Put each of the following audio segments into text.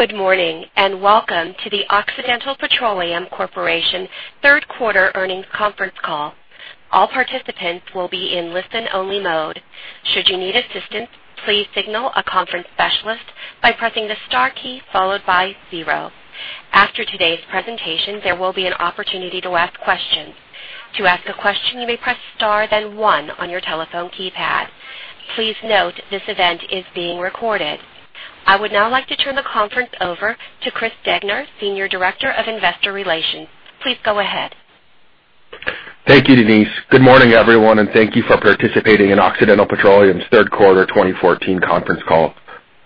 Good morning, and welcome to the Occidental Petroleum Corporation third quarter earnings conference call. All participants will be in listen-only mode. Should you need assistance, please signal a conference specialist by pressing the star key followed by zero. After today's presentation, there will be an opportunity to ask questions. To ask a question, you may press star then one on your telephone keypad. Please note this event is being recorded. I would now like to turn the conference over to Chris Degner, Senior Director of Investor Relations. Please go ahead. Thank you, Denise. Good morning, everyone, and thank you for participating in Occidental Petroleum's third quarter 2014 conference call.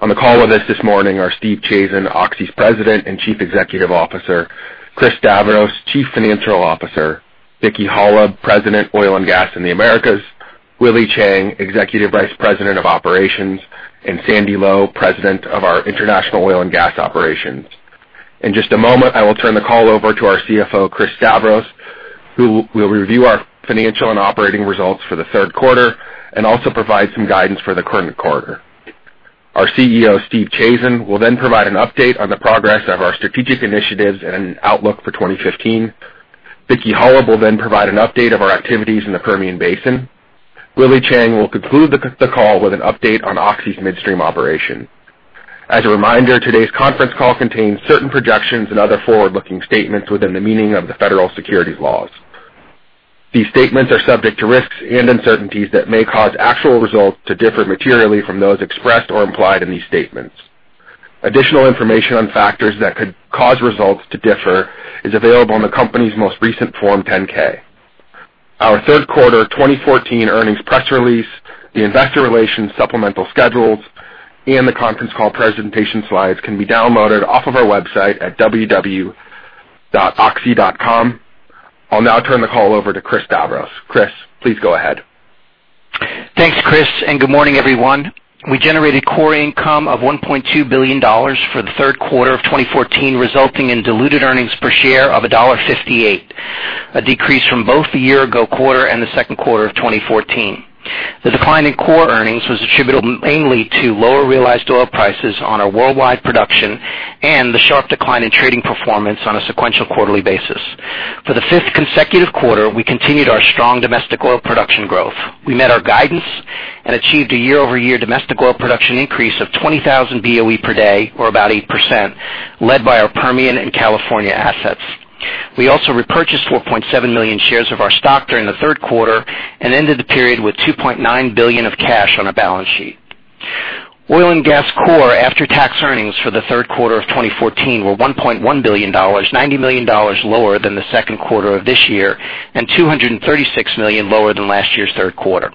On the call with us this morning are Steve Chazen, Oxy's President and Chief Executive Officer, Chris Stavros, Chief Financial Officer, Vicki Hollub, President, Oil and Gas in the Americas, Willie Cheng, Executive Vice President of Operations, and Sandy Lowe, President of our International Oil and Gas Operations. In just a moment, I will turn the call over to our CFO, Chris Stavros, who will review our financial and operating results for the third quarter and also provide some guidance for the current quarter. Our CEO, Steve Chazen, will then provide an update on the progress of our strategic initiatives and an outlook for 2015. Vicki Hollub will then provide an update of our activities in the Permian Basin. Willie Cheng will conclude the call with an update on Oxy's midstream operation. As a reminder, today's conference call contains certain projections and other forward-looking statements within the meaning of the federal securities laws. These statements are subject to risks and uncertainties that may cause actual results to differ materially from those expressed or implied in these statements. Additional information on factors that could cause results to differ is available on the company's most recent Form 10-K. Our third quarter 2014 earnings press release, the investor relations supplemental schedules, and the conference call presentation slides can be downloaded off of our website at www.oxy.com. I'll now turn the call over to Chris Stavros. Chris, please go ahead. Thanks, Chris, and good morning, everyone. We generated core income of $1.2 billion for the third quarter of 2014, resulting in diluted earnings per share of $1.58, a decrease from both the year-over-year quarter and the second quarter of 2014. The decline in core earnings was attributable mainly to lower realized oil prices on our worldwide production and the sharp decline in trading performance on a sequential quarterly basis. For the fifth consecutive quarter, we continued our strong domestic oil production growth. We met our guidance and achieved a year-over-year domestic oil production increase of 20,000 BOE per day, or about 8%, led by our Permian and California assets. We also repurchased 4.7 million shares of our stock during the third quarter and ended the period with $2.9 billion of cash on our balance sheet. Oil and gas core after-tax earnings for the third quarter of 2014 were $1.1 billion, $90 million lower than the second quarter of this year and $236 million lower than last year's third quarter.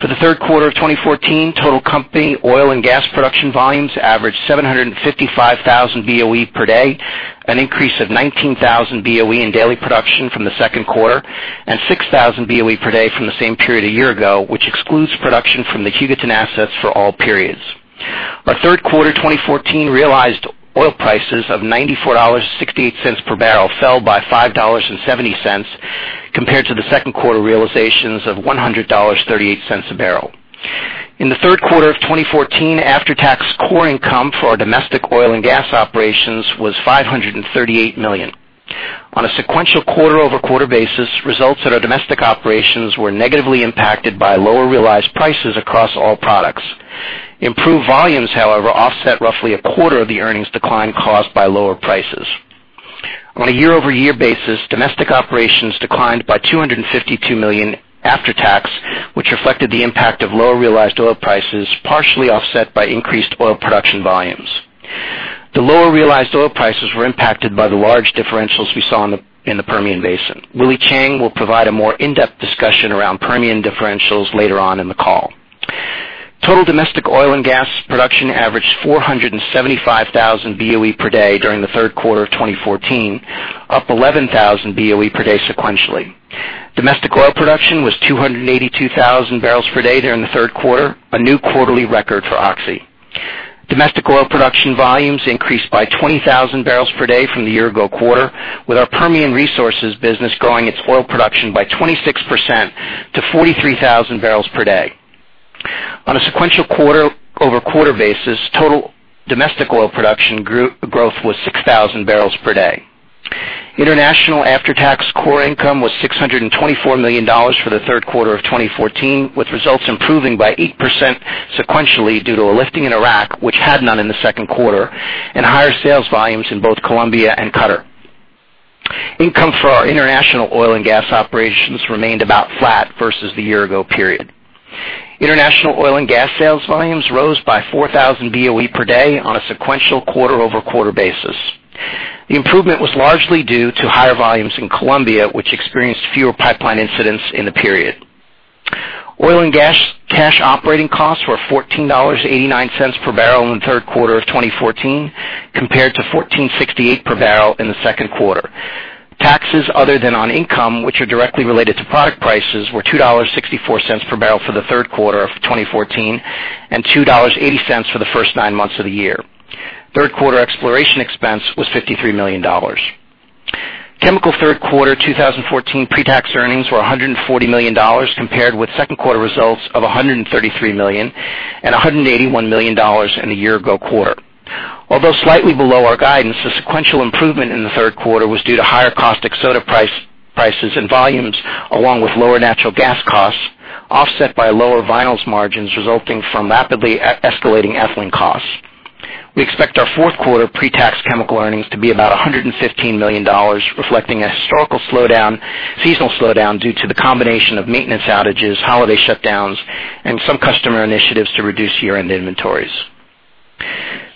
For the third quarter of 2014, total company oil and gas production volumes averaged 755,000 BOE per day, an increase of 19,000 BOE in daily production from the second quarter and 6,000 BOE per day from the same period a year ago, which excludes production from the Hugoton assets for all periods. Our third quarter 2014 realized oil prices of $94.68 per barrel fell by $5.70 compared to the second quarter realizations of $100.38 a barrel. In the third quarter of 2014, after-tax core income for our domestic oil and gas operations was $538 million. On a sequential quarter-over-quarter basis, results at our domestic operations were negatively impacted by lower realized prices across all products. Improved volumes, however, offset roughly a quarter of the earnings decline caused by lower prices. On a year-over-year basis, domestic operations declined by $252 million after tax, which reflected the impact of lower realized oil prices, partially offset by increased oil production volumes. The lower realized oil prices were impacted by the large differentials we saw in the Permian Basin. Willie Chiang will provide a more in-depth discussion around Permian differentials later on in the call. Total domestic oil and gas production averaged 475,000 BOE per day during the third quarter of 2014, up 11,000 BOE per day sequentially. Domestic oil production was 282,000 barrels per day during the third quarter, a new quarterly record for Oxy. Domestic oil production volumes increased by 20,000 barrels per day from the year-ago quarter, with our Permian Resources business growing its oil production by 26% to 43,000 barrels per day. On a sequential quarter-over-quarter basis, total domestic oil production growth was 6,000 barrels per day. International after-tax core income was $624 million for the third quarter of 2014, with results improving by 8% sequentially due to a lifting in Iraq, which had none in the second quarter, and higher sales volumes in both Colombia and Qatar. Income for our international oil and gas operations remained about flat versus the year-ago period. International oil and gas sales volumes rose by 4,000 BOE per day on a sequential quarter-over-quarter basis. The improvement was largely due to higher volumes in Colombia, which experienced fewer pipeline incidents in the period. Oil and gas cash operating costs were $14.89 per barrel in the third quarter of 2014, compared to $14.68 per barrel in the second quarter. Taxes other than on income, which are directly related to product prices, were $2.64 per barrel for the third quarter of 2014 and $2.80 for the first nine months of the year. Third quarter exploration expense was $53 million. Chemical third quarter 2014 pre-tax earnings were $140 million, compared with second quarter results of $133 million and $181 million in the year-ago quarter. Although slightly below our guidance, the sequential improvement in the third quarter was due to higher caustic soda prices and volumes, along with lower natural gas costs, offset by lower vinyls margins resulting from rapidly escalating ethylene costs. We expect our fourth quarter pre-tax chemical earnings to be about $115 million, reflecting a historical seasonal slowdown due to the combination of maintenance outages, holiday shutdowns, and some customer initiatives to reduce year-end inventories.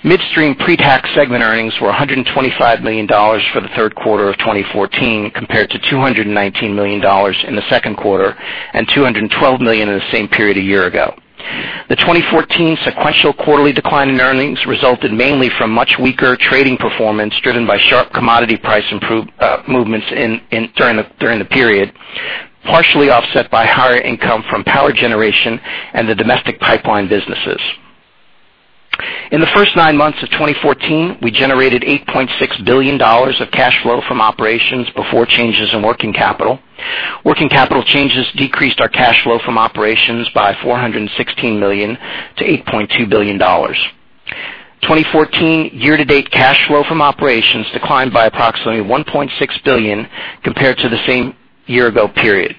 Midstream pre-tax segment earnings were $125 million for the third quarter of 2014, compared to $219 million in the second quarter and $212 million in the same period a year ago. The 2014 sequential quarterly decline in earnings resulted mainly from much weaker trading performance, driven by sharp commodity price movements during the period, partially offset by higher income from power generation and the domestic pipeline businesses. In the first nine months of 2014, we generated $8.6 billion of cash flow from operations before changes in working capital. Working capital changes decreased our cash flow from operations by $416 million to $8.2 billion. 2014 year-to-date cash flow from operations declined by approximately $1.6 billion compared to the same year ago period.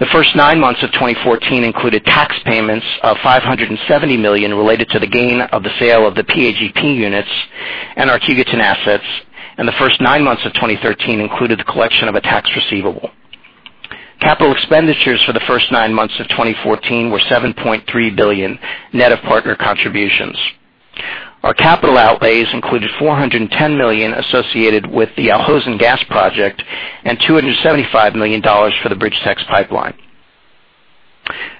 The first nine months of 2014 included tax payments of $570 million related to the gain of the sale of the PAGP units and our Hugoton assets, and the first nine months of 2013 included the collection of a tax receivable. Capital expenditures for the first nine months of 2014 were $7.3 billion, net of partner contributions. Our capital outlays included $410 million associated with the Al Hosn Gas project and $275 million for the BridgeTex Pipeline.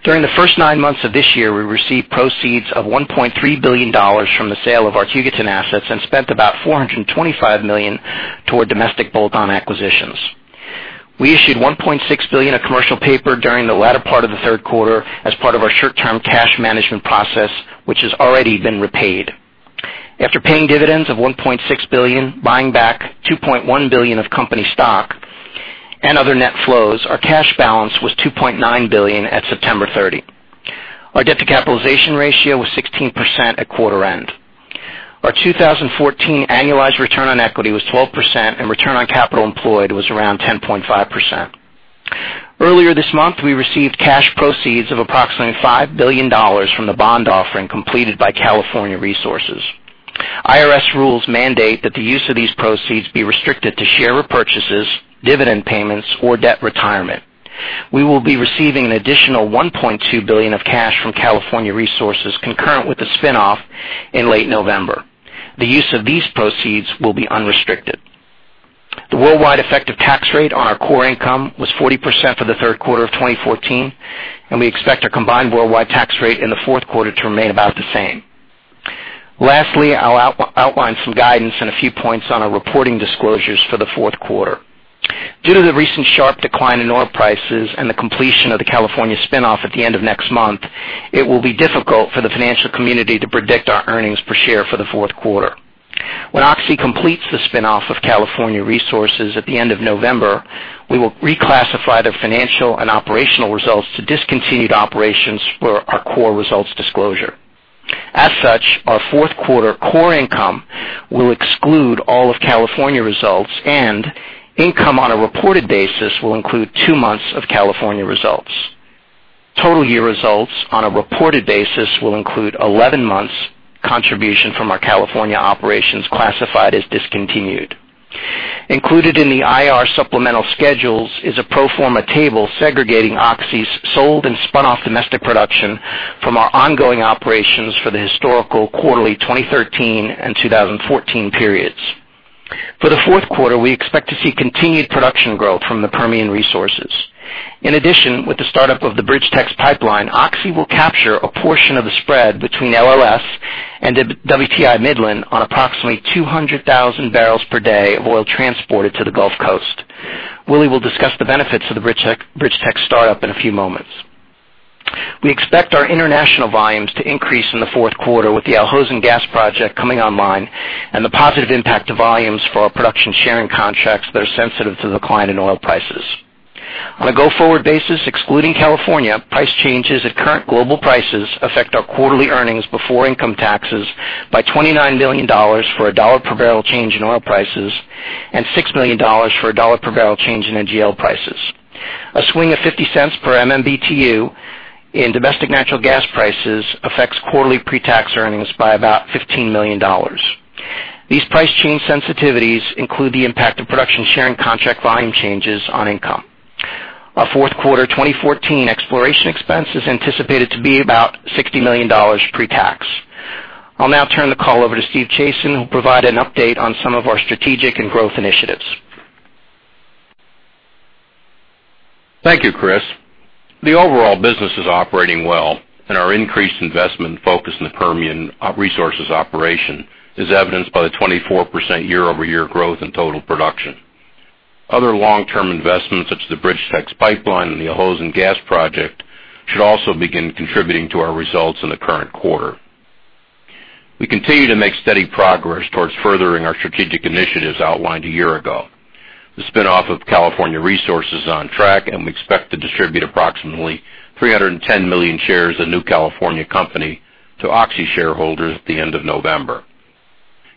During the first nine months of this year, we received proceeds of $1.3 billion from the sale of our Hugoton assets and spent about $425 million toward domestic bolt-on acquisitions. We issued $1.6 billion of commercial paper during the latter part of the third quarter as part of our short-term cash management process, which has already been repaid. After paying dividends of $1.6 billion, buying back $2.1 billion of company stock, and other net flows, our cash balance was $2.9 billion at September 30. Our debt to capitalization ratio was 16% at quarter end. Our 2014 annualized return on equity was 12%, and return on capital employed was around 10.5%. Earlier this month, we received cash proceeds of approximately $5 billion from the bond offering completed by California Resources. IRS rules mandate that the use of these proceeds be restricted to share repurchases, dividend payments, or debt retirement. We will be receiving an additional $1.2 billion of cash from California Resources concurrent with the spinoff in late November. The use of these proceeds will be unrestricted. The worldwide effective tax rate on our core income was 40% for the third quarter of 2014, and we expect our combined worldwide tax rate in the fourth quarter to remain about the same. Lastly, I'll outline some guidance and a few points on our reporting disclosures for the fourth quarter. Due to the recent sharp decline in oil prices and the completion of the California spinoff at the end of next month, it will be difficult for the financial community to predict our earnings per share for the fourth quarter. When Oxy completes the spinoff of California Resources at the end of November, we will reclassify their financial and operational results to discontinued operations for our core results disclosure. As such, our fourth quarter core income will exclude all of California results and income on a reported basis will include two months of California results. Total year results on a reported basis will include 11 months contribution from our California operations classified as discontinued. Included in the IR supplemental schedules is a pro forma table segregating Oxy's sold and spun off domestic production from our ongoing operations for the historical quarterly 2013 and 2014 periods. For the fourth quarter, we expect to see continued production growth from the Permian Resources. In addition, with the startup of the BridgeTex Pipeline, Oxy will capture a portion of the spread between LLS and WTI Midland on approximately 200,000 barrels per day of oil transported to the Gulf Coast. Willie will discuss the benefits of the BridgeTex startup in a few moments. We expect our international volumes to increase in the fourth quarter with the Al Hosn Gas project coming online and the positive impact to volumes for our Production Sharing Contracts that are sensitive to the decline in oil prices. On a go-forward basis, excluding California, price changes at current global prices affect our quarterly earnings before income taxes by $29 million for $1 per barrel change in oil prices and $6 million for $1 per barrel change in NGL prices. A swing of $0.50 per MMBTU in domestic natural gas prices affects quarterly pre-tax earnings by about $15 million. These price change sensitivities include the impact of Production Sharing Contract volume changes on income. Our fourth quarter 2014 exploration expense is anticipated to be about $60 million pre-tax. I'll now turn the call over to Stephen Chazen, who will provide an update on some of our strategic and growth initiatives. Thank you, Chris. The overall business is operating well, and our increased investment and focus in the Permian Resources operation is evidenced by the 24% year-over-year growth in total production. Other long-term investments, such as the BridgeTex Pipeline and the Al Hosn Gas project, should also begin contributing to our results in the current quarter. We continue to make steady progress towards furthering our strategic initiatives outlined a year ago. The spin-off of California Resources is on track, and we expect to distribute approximately 310 million shares of new California company to Oxy shareholders at the end of November.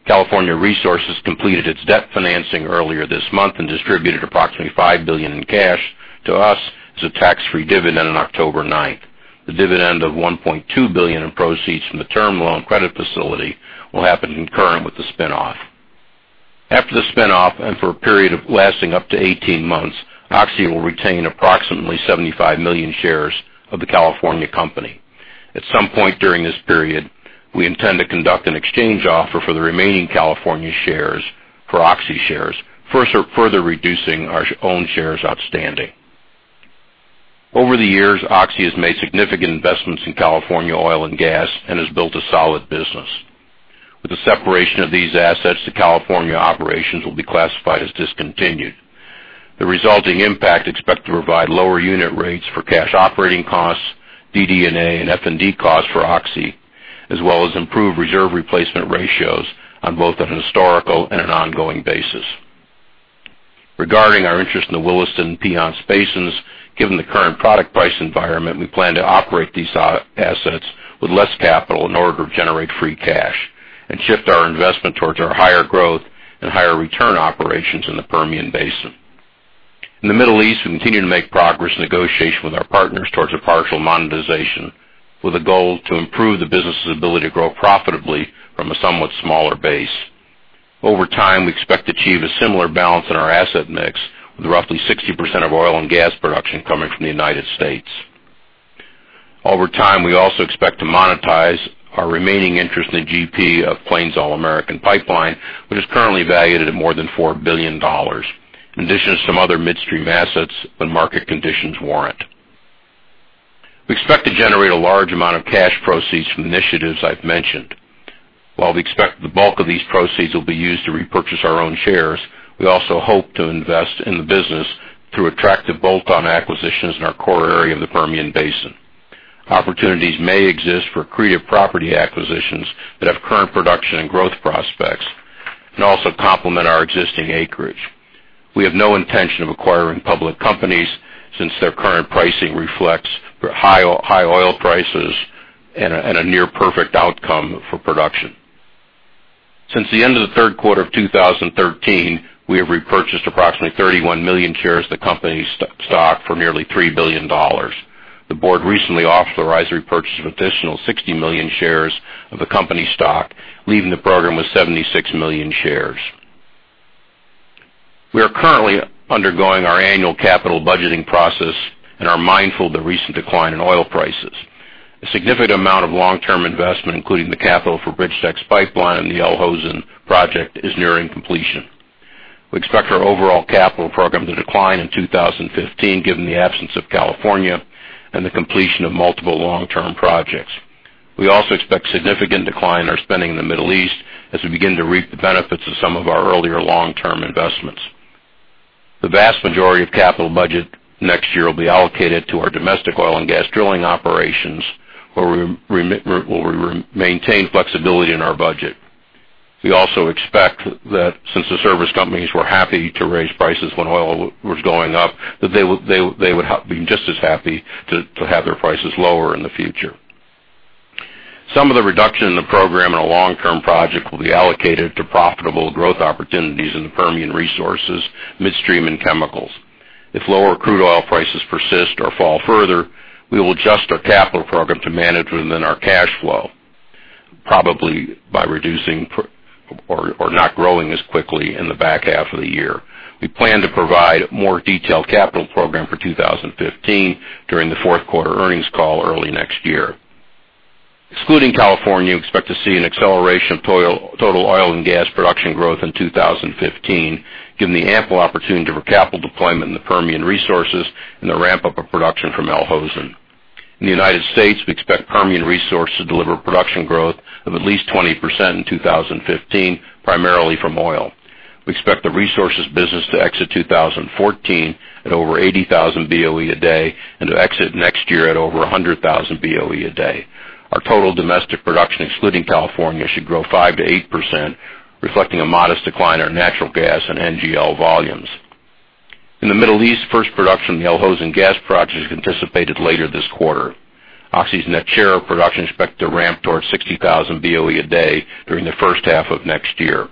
California Resources completed its debt financing earlier this month and distributed approximately $5 billion in cash to us as a tax-free dividend on October 9th. The dividend of $1.2 billion in proceeds from the term loan credit facility will happen concurrent with the spin-off. After the spin-off and for a period lasting up to 18 months, Oxy will retain approximately 75 million shares of the California company. At some point during this period, we intend to conduct an exchange offer for the remaining California shares for Oxy shares, further reducing our own shares outstanding. Over the years, Oxy has made significant investments in California oil and gas and has built a solid business. With the separation of these assets to California, operations will be classified as discontinued. The resulting impact is expected to provide lower unit rates for cash operating costs, DD&A, and F&D costs for Oxy, as well as improved reserve replacement ratios on both a historical and an ongoing basis. Regarding our interest in the Williston and Piceance Basins, given the current product price environment, we plan to operate these assets with less capital in order to generate free cash and shift our investment towards our higher growth and higher return operations in the Permian Basin. In the Middle East, we continue to make progress in negotiation with our partners towards a partial monetization, with a goal to improve the business's ability to grow profitably from a somewhat smaller base. Over time, we expect to achieve a similar balance in our asset mix, with roughly 60% of oil and gas production coming from the U.S. Over time, we also expect to monetize our remaining interest in GP of Plains All American Pipeline, which is currently valued at more than $4 billion, in addition to some other midstream assets when market conditions warrant. We expect to generate a large amount of cash proceeds from the initiatives I've mentioned. While we expect the bulk of these proceeds will be used to repurchase our own shares, we also hope to invest in the business through attractive bolt-on acquisitions in our core area of the Permian Basin. Opportunities may exist for accretive property acquisitions that have current production and growth prospects and also complement our existing acreage. We have no intention of acquiring public companies, since their current pricing reflects high oil prices and a near-perfect outcome for production. Since the end of the third quarter of 2013, we have repurchased approximately 31 million shares of the company's stock for nearly $3 billion. The board recently authorized the repurchase of an additional 60 million shares of the company stock, leaving the program with 76 million shares. We are currently undergoing our annual capital budgeting process and are mindful of the recent decline in oil prices. A significant amount of long-term investment, including the capital for BridgeTex Pipeline and the Al Hosn project, is nearing completion. We expect our overall capital program to decline in 2015, given the absence of California and the completion of multiple long-term projects. We also expect a significant decline in our spending in the Middle East as we begin to reap the benefits of some of our earlier long-term investments. The vast majority of capital budget next year will be allocated to our domestic oil and gas drilling operations, where we maintain flexibility in our budget. We also expect that since the service companies were happy to raise prices when oil was going up, that they would be just as happy to have their prices lower in the future. Some of the reduction in the program in a long-term project will be allocated to profitable growth opportunities in the Permian Resources, midstream, and chemicals. If lower crude oil prices persist or fall further, we will adjust our capital program to manage within our cash flow, probably by reducing or not growing as quickly in the back half of the year. We plan to provide a more detailed capital program for 2015 during the fourth quarter earnings call early next year. Excluding California, we expect to see an acceleration of total oil and gas production growth in 2015, given the ample opportunity for capital deployment in the Permian Resources and the ramp-up of production from Al Hosn. In the U.S., we expect Permian Resources to deliver production growth of at least 20% in 2015, primarily from oil. We expect the resources business to exit 2014 at over 80,000 BOE a day and to exit next year at over 100,000 BOE a day. Our total domestic production, excluding California, should grow 5%-8%, reflecting a modest decline in our natural gas and NGL volumes. In the Middle East, first production of the Al Hosn Gas project is anticipated later this quarter. Oxy's net share of production is expected to ramp towards 60,000 BOE a day during the first half of next year.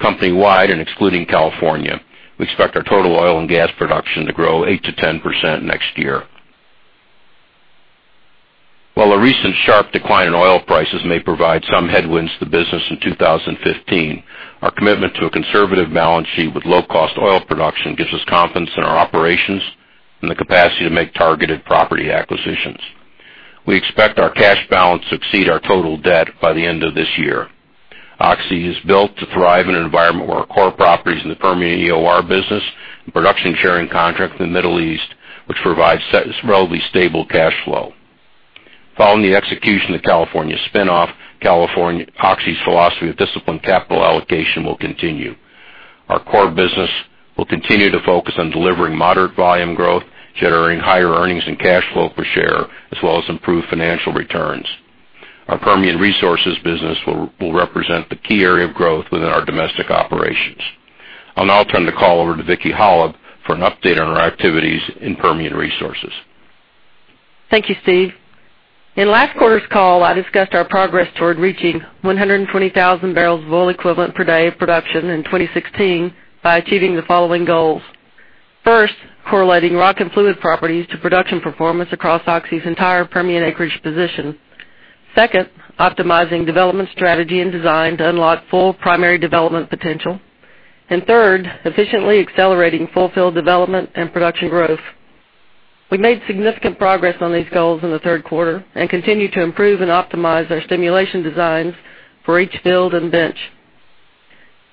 Company-wide and excluding California, we expect our total oil and gas production to grow 8%-10% next year. While the recent sharp decline in oil prices may provide some headwinds to the business in 2015, our commitment to a conservative balance sheet with low-cost oil production gives us confidence in our operations and the capacity to make targeted property acquisitions. We expect our cash balance to exceed our total debt by the end of this year. Oxy is built to thrive in an environment where our core properties in the Permian EOR business and Production Sharing Contracts in the Middle East, which provides relatively stable cash flow. Following the execution of the California spin-off, Oxy's philosophy of disciplined capital allocation will continue. Our core business will continue to focus on delivering moderate volume growth, generating higher earnings and cash flow per share, as well as improved financial returns. Our Permian Resources business will represent the key area of growth within our domestic operations. I'll now turn the call over to Vicki Hollub for an update on our activities in Permian Resources. Thank you, Steve. In last quarter's call, I discussed our progress toward reaching 120,000 barrels of oil equivalent per day of production in 2016 by achieving the following goals. First, correlating rock and fluid properties to production performance across Oxy's entire Permian acreage position. Second, optimizing development strategy and design to unlock full primary development potential. Third, efficiently accelerating fulfilled development and production growth. We made significant progress on these goals in the third quarter and continue to improve and optimize our stimulation designs for each field and bench.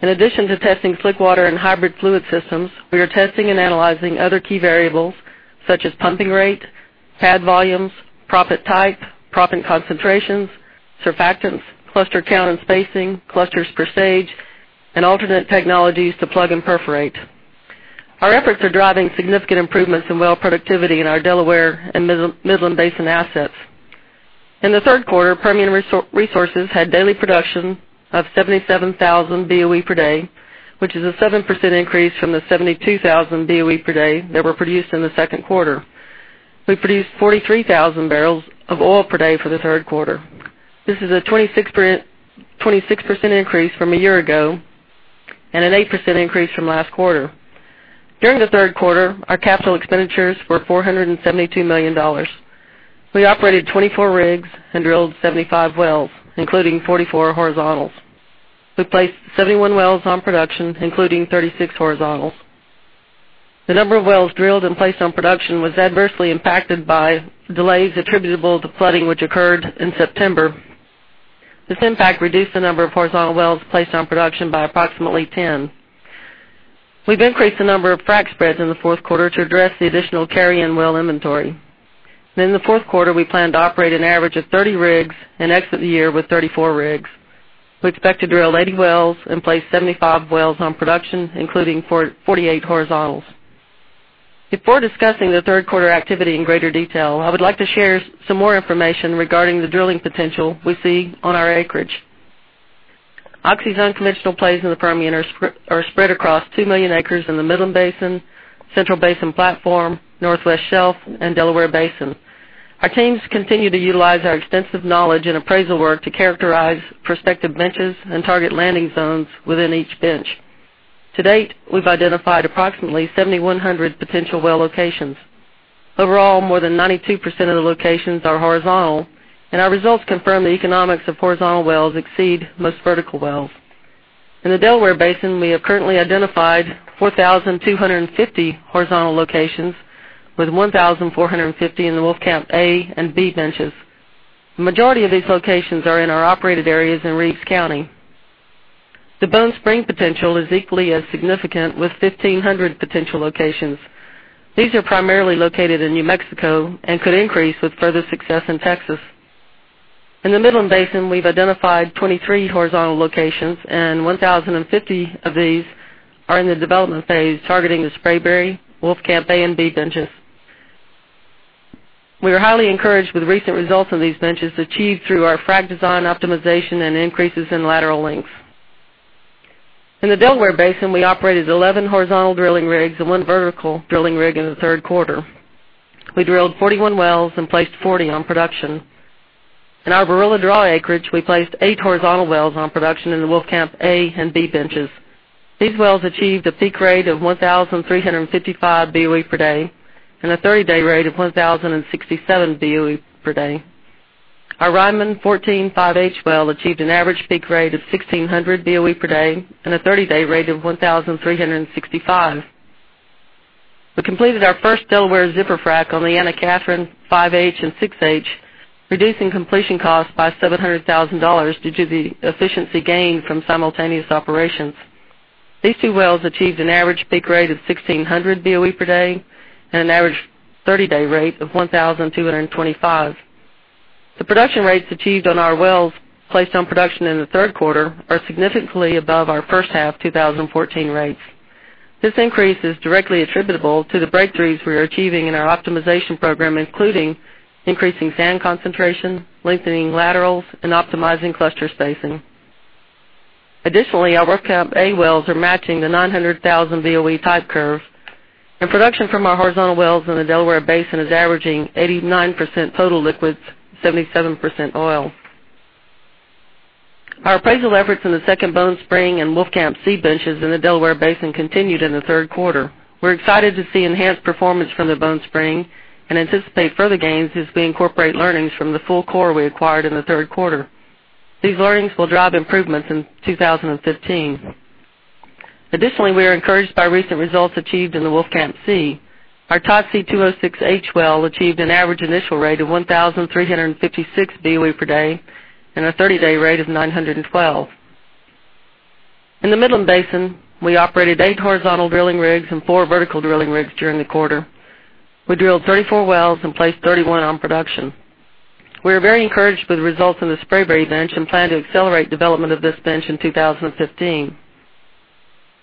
In addition to testing slick water and hybrid fluid systems, we are testing and analyzing other key variables such as pumping rate, pad volumes, proppant type, proppant concentrations, surfactants, cluster count and spacing, clusters per stage, and alternate technologies to plug and perforate. Our efforts are driving significant improvements in well productivity in our Delaware and Midland Basin assets. In the third quarter, Permian Resources had daily production of 77,000 BOE per day, which is a 7% increase from the 72,000 BOE per day that were produced in the second quarter. We produced 43,000 barrels of oil per day for the third quarter. This is a 26% increase from a year ago and an 8% increase from last quarter. During the third quarter, our capital expenditures were $472 million. We operated 24 rigs and drilled 75 wells, including 44 horizontals. We placed 71 wells on production, including 36 horizontals. The number of wells drilled and placed on production was adversely impacted by delays attributable to flooding, which occurred in September. This impact reduced the number of horizontal wells placed on production by approximately 10. We've increased the number of frac spreads in the fourth quarter to address the additional carry-in well inventory. In the fourth quarter, we plan to operate an average of 30 rigs and exit the year with 34 rigs. We expect to drill 80 wells and place 75 wells on production, including 48 horizontals. Before discussing the third quarter activity in greater detail, I would like to share some more information regarding the drilling potential we see on our acreage. Oxy's unconventional plays in the Permian are spread across 2 million acres in the Midland Basin, Central Basin Platform, Northwest Shelf, and Delaware Basin. Our teams continue to utilize our extensive knowledge and appraisal work to characterize prospective benches and target landing zones within each bench. To date, we've identified approximately 7,100 potential well locations. Overall, more than 92% of the locations are horizontal, and our results confirm the economics of horizontal wells exceed most vertical wells. In the Delaware Basin, we have currently identified 4,250 horizontal locations, with 1,450 in the Wolfcamp A and B benches. The majority of these locations are in our operated areas in Reeves County. The Bone Spring potential is equally as significant, with 1,500 potential locations. These are primarily located in New Mexico and could increase with further success in Texas. In the Midland Basin, we've identified 23 horizontal locations, and 1,050 of these are in the development phase, targeting the Spraberry, Wolfcamp A and B benches. We are highly encouraged with recent results in these benches achieved through our frac design optimization and increases in lateral length. In the Delaware Basin, we operated 11 horizontal drilling rigs and one vertical drilling rig in the third quarter. We drilled 41 wells and placed 40 on production. In our Barilla Draw acreage, we placed eight horizontal wells on production in the Wolfcamp A and B benches. These wells achieved a peak rate of 1,355 BOE per day and a 30-day rate of 1,067 BOE per day. Our Ryman 14-5H well achieved an average peak rate of 1,600 BOE per day and a 30-day rate of 1,365. We completed our first Delaware zipper frac on the Anna Katherine 5H and 6H, reducing completion costs by $700,000 due to the efficiency gained from simultaneous operations. These two wells achieved an average peak rate of 1,600 BOE per day and an average 30-day rate of 1,225. The production rates achieved on our wells placed on production in the third quarter are significantly above our first half 2014 rates. This increase is directly attributable to the breakthroughs we are achieving in our optimization program, including increasing sand concentration, lengthening laterals, and optimizing cluster spacing. Our Wolfcamp A wells are matching the 900,000 BOE type curve. Production from our horizontal wells in the Delaware Basin is averaging 89% total liquids, 77% oil. Our appraisal efforts in the Second Bone Spring and Wolfcamp C benches in the Delaware Basin continued in the third quarter. We're excited to see enhanced performance from the Bone Spring and anticipate further gains as we incorporate learnings from the full core we acquired in the third quarter. These learnings will drive improvements in 2015. Additionally, we are encouraged by recent results achieved in the Wolfcamp C. Our Tootsie 206H well achieved an average initial rate of 1,356 BOE per day and a 30-day rate of 912. In the Midland Basin, we operated eight horizontal drilling rigs and four vertical drilling rigs during the quarter. We drilled 34 wells and placed 31 on production. We are very encouraged with the results in the Spraberry bench and plan to accelerate development of this bench in 2015.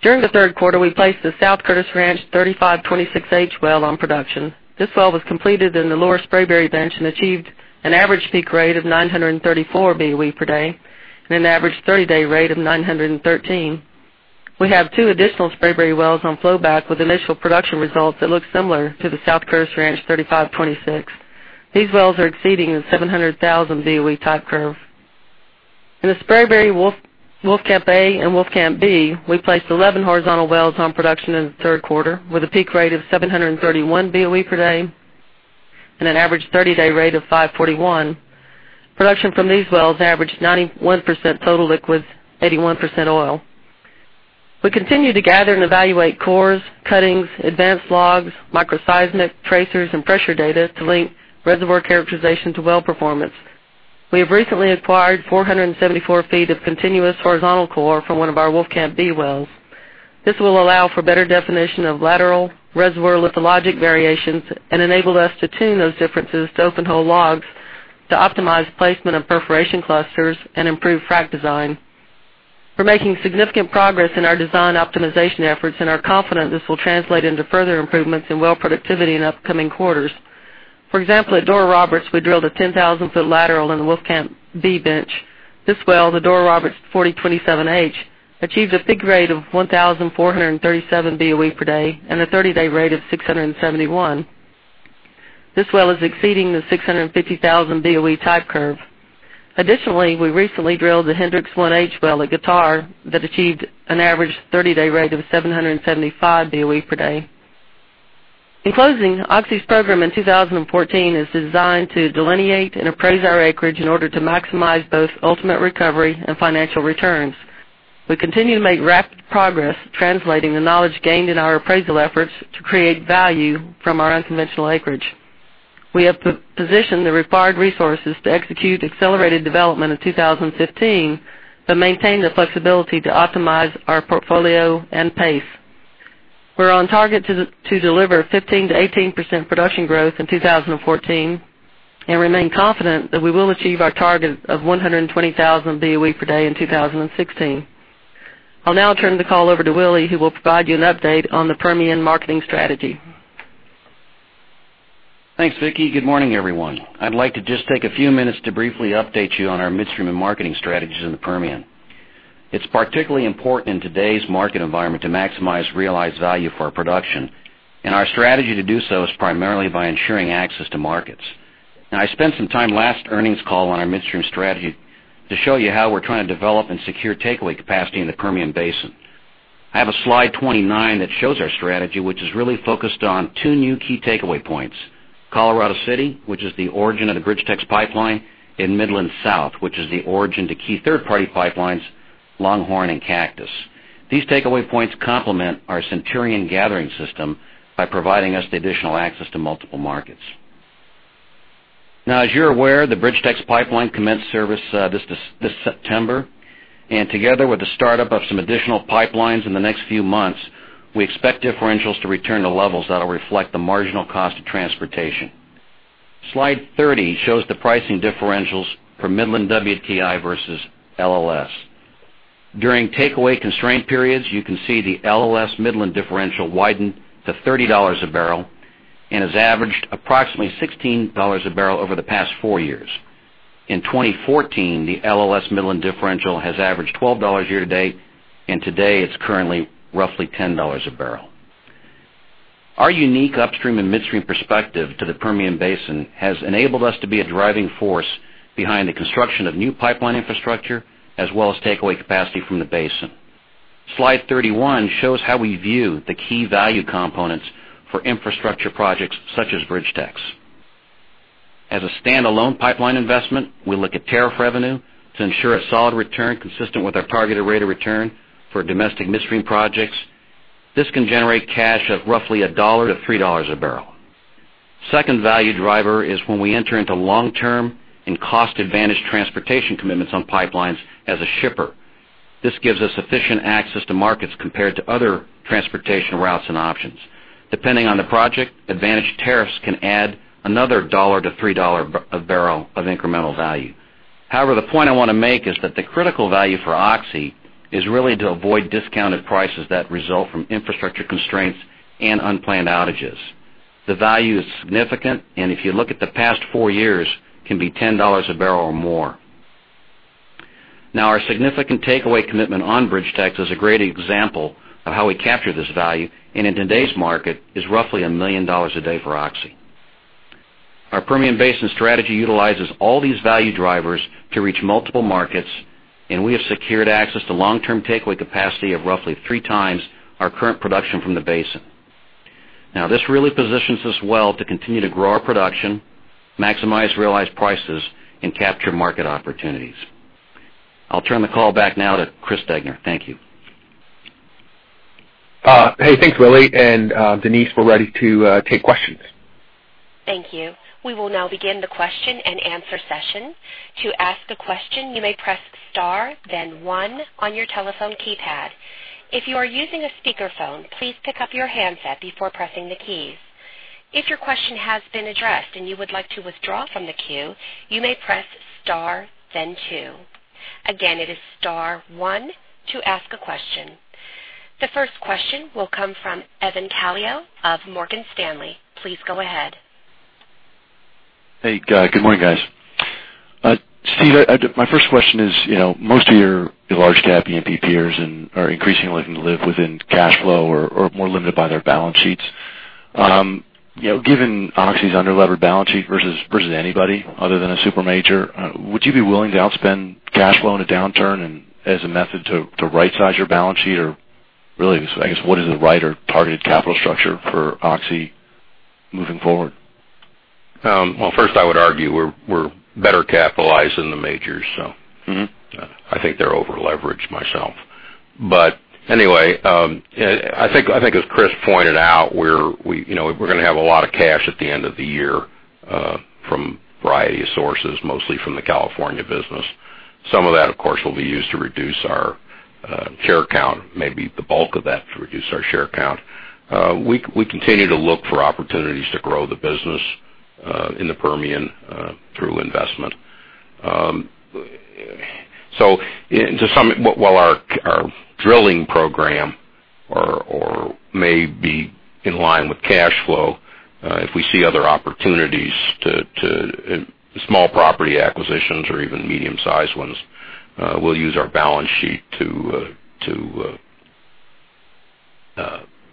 During the third quarter, we placed the South Curtis Ranch 3526H well on production. This well was completed in the Lower Spraberry bench and achieved an average peak rate of 934 BOE per day and an average 30-day rate of 913. We have two additional Spraberry wells on flowback with initial production results that look similar to the South Curtis Ranch 3526. These wells are exceeding the 700,000 BOE type curve. In the Spraberry Wolfcamp A and Wolfcamp B, we placed 11 horizontal wells on production in the third quarter, with a peak rate of 731 BOE per day and an average 30-day rate of 541. Production from these wells averaged 91% total liquids, 81% oil. We continue to gather and evaluate cores, cuttings, advanced logs, microseismic tracers, and pressure data to link reservoir characterization to well performance. We have recently acquired 474 feet of continuous horizontal core from one of our Wolfcamp B wells. This will allow for better definition of lateral reservoir lithologic variations and enable us to tune those differences to open hole logs to optimize placement of perforation clusters and improve frac design. We're making significant progress in our design optimization efforts and are confident this will translate into further improvements in well productivity in upcoming quarters. For example, at Dora Roberts, we drilled a 10,000-foot lateral in the Wolfcamp B bench. This well, the Dora Roberts 4027H, achieved a peak rate of 1,437 BOE per day and a 30-day rate of 671. This well is exceeding the 650,000 BOE type curve. Additionally, we recently drilled the Hendricks 1H well at Hendrick that achieved an average 30-day rate of 775 BOE per day. In closing, Oxy's program in 2014 is designed to delineate and appraise our acreage in order to maximize both ultimate recovery and financial returns. We continue to make rapid progress translating the knowledge gained in our appraisal efforts to create value from our unconventional acreage. We have positioned the required resources to execute accelerated development in 2015 but maintain the flexibility to optimize our portfolio and pace. We're on target to deliver 15%-18% production growth in 2014 and remain confident that we will achieve our target of 120,000 BOE per day in 2016. I'll now turn the call over to Willie, who will provide you an update on the Permian marketing strategy. Thanks, Vicki. Good morning, everyone. I'd like to just take a few minutes to briefly update you on our midstream and marketing strategies in the Permian. It's particularly important in today's market environment to maximize realized value for our production, and our strategy to do so is primarily by ensuring access to markets. I spent some time last earnings call on our midstream strategy to show you how we're trying to develop and secure takeaway capacity in the Permian Basin. I have a slide 29 that shows our strategy, which is really focused on two new key takeaway points, Colorado City, which is the origin of the BridgeTex Pipeline, and Midland South, which is the origin to key third-party pipelines, Longhorn and Cactus. These takeaway points complement our Centurion gathering system by providing us the additional access to multiple markets. As you're aware, the BridgeTex Pipeline commenced service this September, and together with the startup of some additional pipelines in the next few months, we expect differentials to return to levels that'll reflect the marginal cost of transportation. Slide 30 shows the pricing differentials for Midland WTI versus LLS. During takeaway constraint periods, you can see the LLS Midland differential widened to $30 a barrel and has averaged approximately $16 a barrel over the past four years. In 2014, the LLS Midland differential has averaged $12 year to date, and today, it's currently roughly $10 a barrel. Our unique upstream and midstream perspective to the Permian Basin has enabled us to be a driving force behind the construction of new pipeline infrastructure, as well as takeaway capacity from the basin. Slide 31 shows how we view the key value components for infrastructure projects such as BridgeTex. As a standalone pipeline investment, we look at tariff revenue to ensure a solid return consistent with our targeted rate of return for domestic midstream projects. This can generate cash of roughly $1-$3 a barrel. Second value driver is when we enter into long-term and cost-advantaged transportation commitments on pipelines as a shipper. This gives us efficient access to markets compared to other transportation routes and options. Depending on the project, advantage tariffs can add another $1-$3 a barrel of incremental value. However, the point I want to make is that the critical value for Oxy is really to avoid discounted prices that result from infrastructure constraints and unplanned outages. The value is significant, and if you look at the past four years, can be $10 a barrel or more. Our significant takeaway commitment on BridgeTex is a great example of how we capture this value, and in today's market, is roughly $1 million a day for Oxy. Our Permian Basin strategy utilizes all these value drivers to reach multiple markets, and we have secured access to long-term takeaway capacity of roughly three times our current production from the basin. This really positions us well to continue to grow our production, maximize realized prices, and capture market opportunities. I'll turn the call back now to Chris Degner. Thank you. Hey, thanks, Willie. Denise, we're ready to take questions. Thank you. We will now begin the question and answer session. To ask a question, you may press star then one on your telephone keypad. If you are using a speakerphone, please pick up your handset before pressing the keys. If your question has been addressed and you would like to withdraw from the queue, you may press * then two. Again, it is *1 to ask a question. The first question will come from Evan Calio of Morgan Stanley. Please go ahead. Hey, good morning, guys. Steve, my first question is, most of your large-cap E&P peers are increasingly looking to live within cash flow or are more limited by their balance sheets. Given Oxy's under-levered balance sheet versus anybody other than a super major, would you be willing to outspend cash flow in a downturn and as a method to right-size your balance sheet? Really, I guess, what is the right or targeted capital structure for Oxy moving forward? Well, first, I would argue we're better capitalized than the majors. I think they're over-leveraged myself. Anyway, I think as Chris pointed out, we're going to have a lot of cash at the end of the year from a variety of sources, mostly from the California business. Some of that, of course, will be used to reduce our share count, maybe the bulk of that to reduce our share count. We continue to look for opportunities to grow the business in the Permian through investment. To sum it, while our drilling program may be in line with cash flow, if we see other opportunities to small property acquisitions or even medium-sized ones, we'll use our balance sheet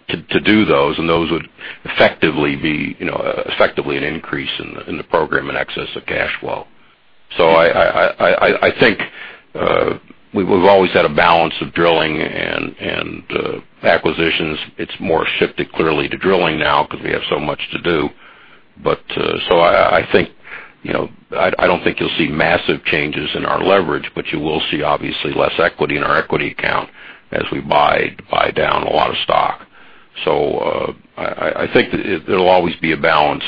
to do those, and those would effectively be an increase in the program in excess of cash flow. I think we've always had a balance of drilling and acquisitions. It's more shifted clearly to drilling now because we have so much to do. I don't think you'll see massive changes in our leverage, but you will see obviously less equity in our equity count as we buy down a lot of stock. I think there'll always be a balance.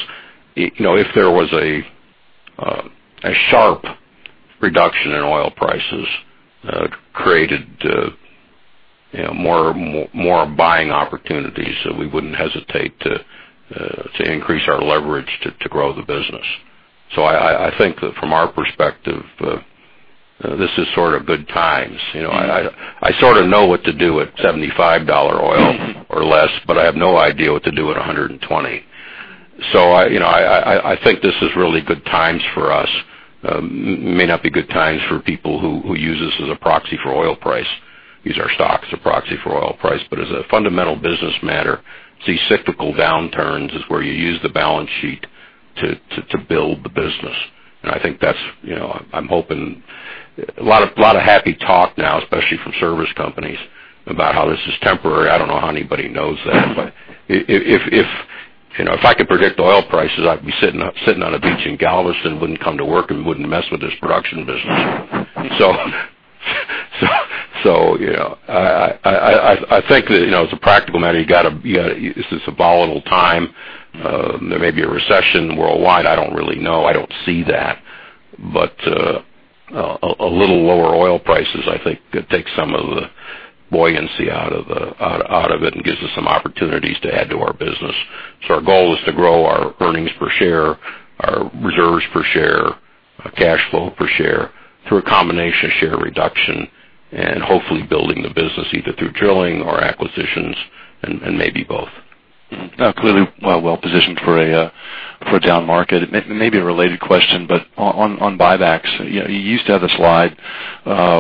If there was a sharp reduction in oil prices that created more buying opportunities, we wouldn't hesitate to increase our leverage to grow the business. I think that from our perspective, this is sort of good times. I sort of know what to do at $75 oil or less, but I have no idea what to do at $120. I think this is really good times for us. May not be good times for people who use this as a proxy for oil price, use our stock as a proxy for oil price. As a fundamental business matter, see cyclical downturns is where you use the balance sheet to build the business. I'm hoping a lot of happy talk now, especially from service companies, about how this is temporary. I don't know how anybody knows that, but if I could predict oil prices, I'd be sitting on a beach in Galveston, wouldn't come to work, and wouldn't mess with this production business. I think that, as a practical matter, this is a volatile time. There may be a recession worldwide. I don't really know. I don't see that, but a little lower oil prices, I think, could take some of the buoyancy out of it and gives us some opportunities to add to our business. Our goal is to grow our earnings per share, our reserves per share, cash flow per share through a combination of share reduction and hopefully building the business either through drilling or acquisitions and maybe both. Clearly well-positioned for a down market. Maybe a related question, on buybacks, you used to have a slide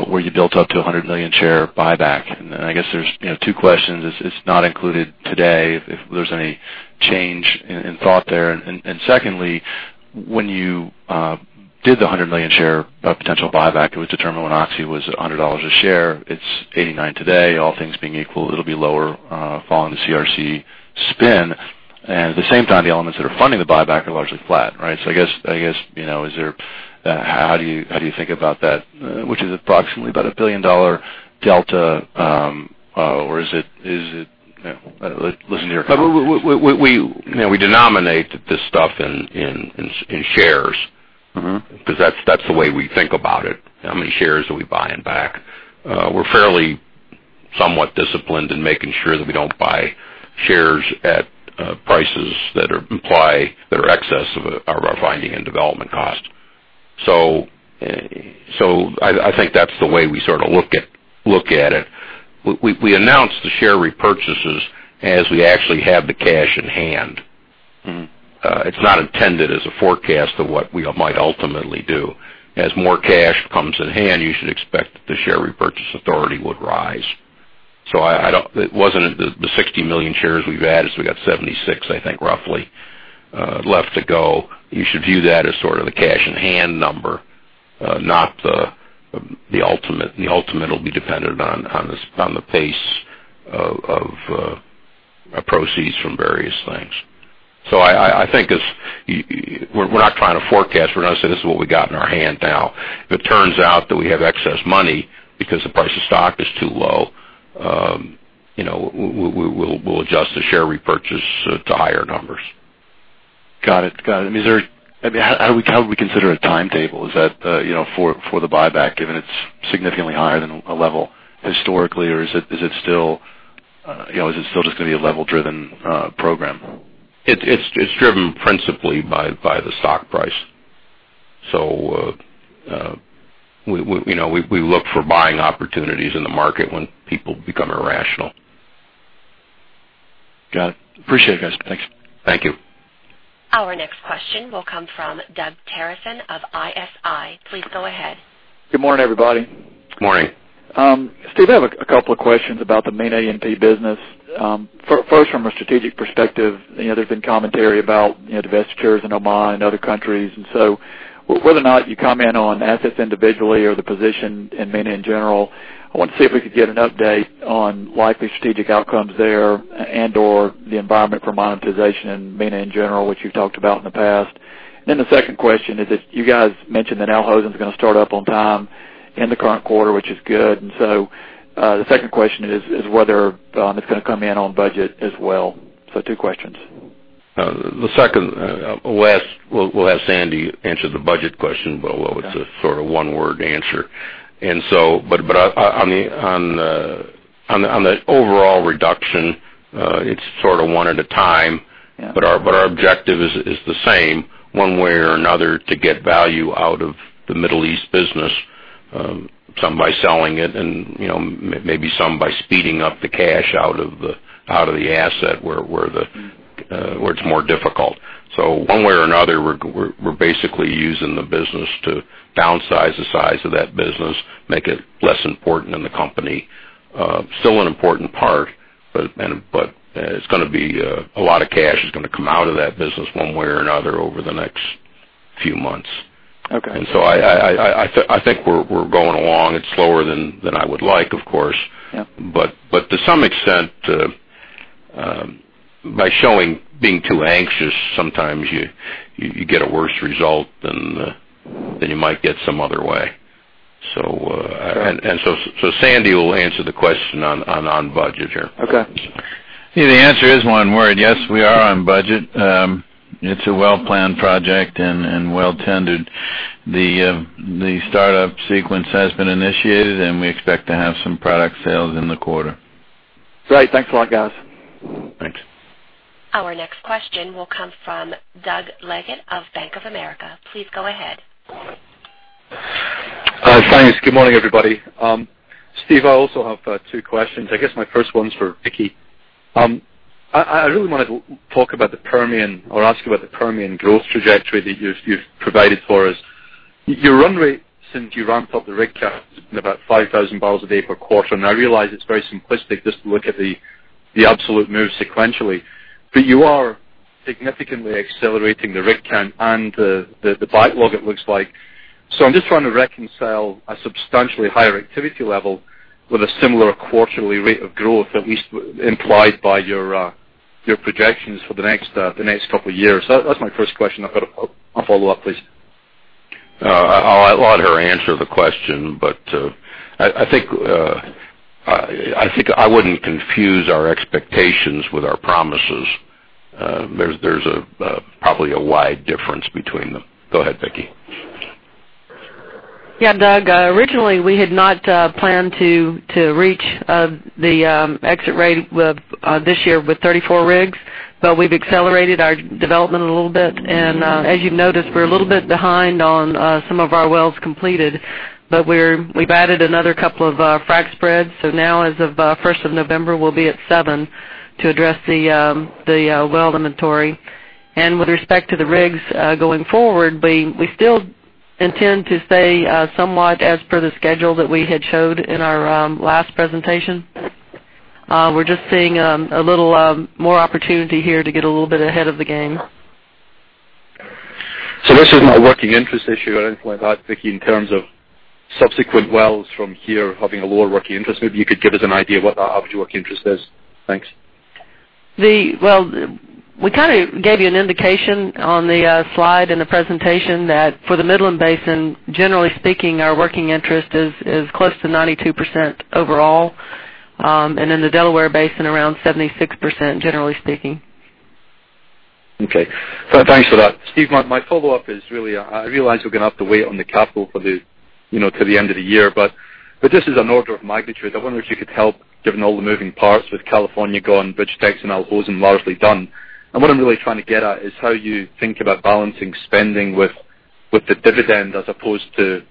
where you built up to 100-million-share buyback, I guess there's two questions. It's not included today, if there's any change in thought there. Secondly, when you did the 100-million share of potential buyback, it was determined when Oxy was $100 a share. It's $89 today. All things being equal, it'll be lower following the CRC spin. At the same time, the elements that are funding the buyback are largely flat, right? I guess, how do you think about that, which is approximately about a billion-dollar delta or is it? We denominate this stuff in shares. That's the way we think about it. How many shares are we buying back? We're fairly somewhat disciplined in making sure that we don't buy shares at prices that imply they're excess of our finding and development cost. I think that's the way we sort of look at it. We announce the share repurchases as we actually have the cash in hand. It's not intended as a forecast of what we might ultimately do. As more cash comes in hand, you should expect that the share repurchase authority would rise. It wasn't the 60 million shares we've had, we got 76, I think, roughly, left to go. You should view that as sort of the cash in hand number, not the ultimate. The ultimate will be dependent on the pace of proceeds from various things. I think we're not trying to forecast. We're not saying this is what we got in our hand now. If it turns out that we have excess money because the price of stock is too low, we'll adjust the share repurchase to higher numbers. Got it. How do we consider a timetable? Is that for the buyback, given it's significantly higher than a level historically, or is it still just going to be a level-driven program? It's driven principally by the stock price. We look for buying opportunities in the market when people become irrational. Got it. Appreciate it, guys. Thanks. Thank you. Our next question will come from Doug Terreson of ISI. Please go ahead. Good morning, everybody. Good morning. Steve, I have a couple of questions about the MENA E&P business. First, from a strategic perspective, there's been commentary about divestitures in Oman and other countries. Whether or not you comment on assets individually or the position in MENA in general, I wanted to see if we could get an update on likely strategic outcomes there and/or the environment for monetization in MENA in general, which you've talked about in the past. The second question is if you guys mentioned that Al Hosn is going to start up on time in the current quarter, which is good. The second question is whether it's going to come in on budget as well. Two questions. The second, we'll have Sandy answer the budget question, but it's a sort of one-word answer. On the overall reduction, it's sort of one at a time. Yeah. Our objective is the same, one way or another, to get value out of the Middle East business, some by selling it and maybe some by speeding up the cash out of the asset where it's more difficult. One way or another, we're basically using the business to downsize the size of that business, make it less important in the company. Still an important part, but it's going to be a lot of cash is going to come out of that business one way or another over the next few months. Okay. I think we're going along. It's slower than I would like, of course. Yeah. To some extent, by showing being too anxious, sometimes you get a worse result than you might get some other way. Right. Sandy will answer the question on budget here. Okay. The answer is one word. Yes, we are on budget. It's a well-planned project and well-tended. The startup sequence has been initiated, and we expect to have some product sales in the quarter. Great. Thanks a lot, guys. Thanks. Our next question will come from Doug Leggate of Bank of America. Please go ahead. Hi, thanks. Good morning, everybody. Steve, I also have two questions. I guess my first one's for Vicki. I really wanted to talk about the Permian or ask you about the Permian growth trajectory that you've provided for us. Your run rate since you ramped up the rig count has been about 5,000 barrels a day per quarter, and I realize it's very simplistic just to look at the absolute move sequentially. You are significantly accelerating the rig count and the backlog, it looks like. I'm just trying to reconcile a substantially higher activity level with a similar quarterly rate of growth, at least implied by your projections for the next couple of years. That's my first question. I've got a follow-up, please. I'll let her answer the question, I think I wouldn't confuse our expectations with our promises. There's probably a wide difference between them. Go ahead, Vicki. Yeah, Doug, originally, we had not planned to reach the exit rate this year with 34 rigs, we've accelerated our development a little bit. As you've noticed, we're a little bit behind on some of our wells completed, we've added another couple of frac spreads. Now as of 1st of November, we'll be at seven to address the well inventory. With respect to the rigs going forward, we still intend to stay somewhat as per the schedule that we had showed in our last presentation. We're just seeing a little more opportunity here to get a little bit ahead of the game. This isn't a working interest issue or anything like that, Vicki, in terms of subsequent wells from here having a lower working interest. Maybe you could give us an idea of what that average working interest is. Thanks. Well, we kind of gave you an indication on the slide in the presentation that for the Midland Basin, generally speaking, our working interest is close to 92% overall. In the Delaware Basin, around 76%, generally speaking. Okay. Thanks for that. Steve, my follow-up is really, I realize we're going to have to wait on the capital for the end of the year, but just as an order of magnitude, I wonder if you could help, given all the moving parts with California gone, BridgeTex and Al Hosn largely done. What I'm really trying to get at is how you think about balancing spending with the dividend as opposed to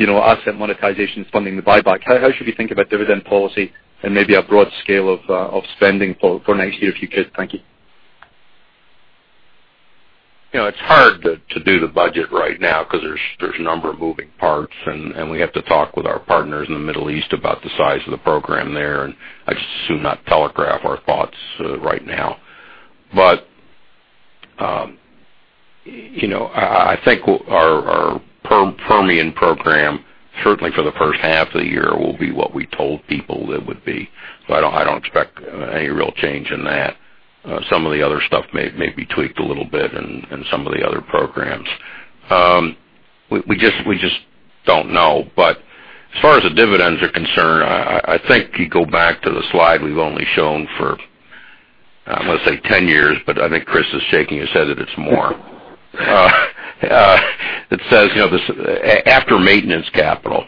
asset monetization funding the buyback. How should we think about dividend policy and maybe a broad scale of spending for next year, if you could? Thank you. It's hard to do the budget right now because there's a number of moving parts, we have to talk with our partners in the Middle East about the size of the program there, I'd just as soon not telegraph our thoughts right now. I think our Permian program, certainly for the first half of the year, will be what we told people it would be. I don't expect any real change in that. Some of the other stuff may be tweaked a little bit in some of the other programs. We just don't know. As far as the dividends are concerned, I think you go back to the slide we've only shown for, I'm going to say 10 years, but I think Chris is shaking his head that it's more. It says, after maintenance capital,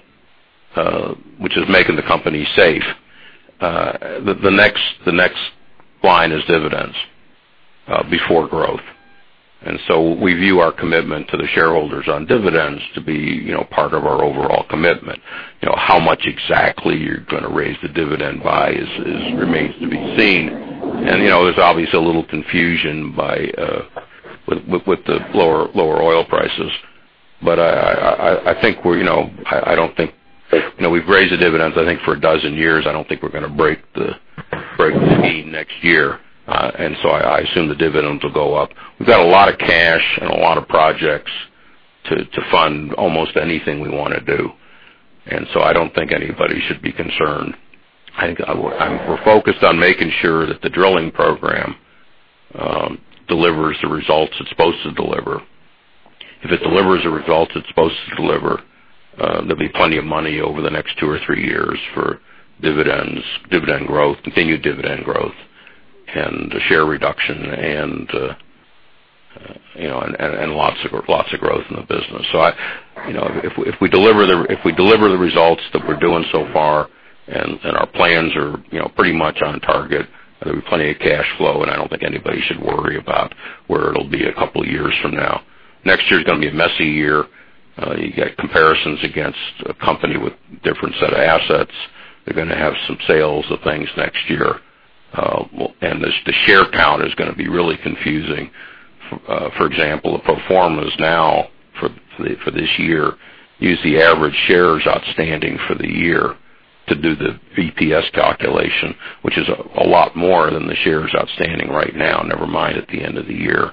which is making the company safe, the next line is dividends, before growth. We view our commitment to the shareholders on dividends to be part of our overall commitment. How much exactly you're going to raise the dividend by remains to be seen. There's obviously a little confusion with the lower oil prices. We've raised the dividends, I think, for 12 years. I don't think we're going to break the chain next year. I assume the dividends will go up. We've got a lot of cash and a lot of projects to fund almost anything we want to do. I don't think anybody should be concerned. I think we're focused on making sure that the drilling program delivers the results it's supposed to deliver. If it delivers the results it's supposed to deliver, there'll be plenty of money over the next two or three years for dividends, dividend growth, continued dividend growth, and share reduction and lots of growth in the business. If we deliver the results that we're doing so far and our plans are pretty much on target, there'll be plenty of cash flow, and I don't think anybody should worry about where it'll be a couple of years from now. Next year's going to be a messy year. You get comparisons against a company with different set of assets. They're going to have some sales of things next year. The share count is going to be really confusing. For example, the pro formas now for this year use the average shares outstanding for the year to do the EPS calculation, which is a lot more than the shares outstanding right now, never mind at the end of the year.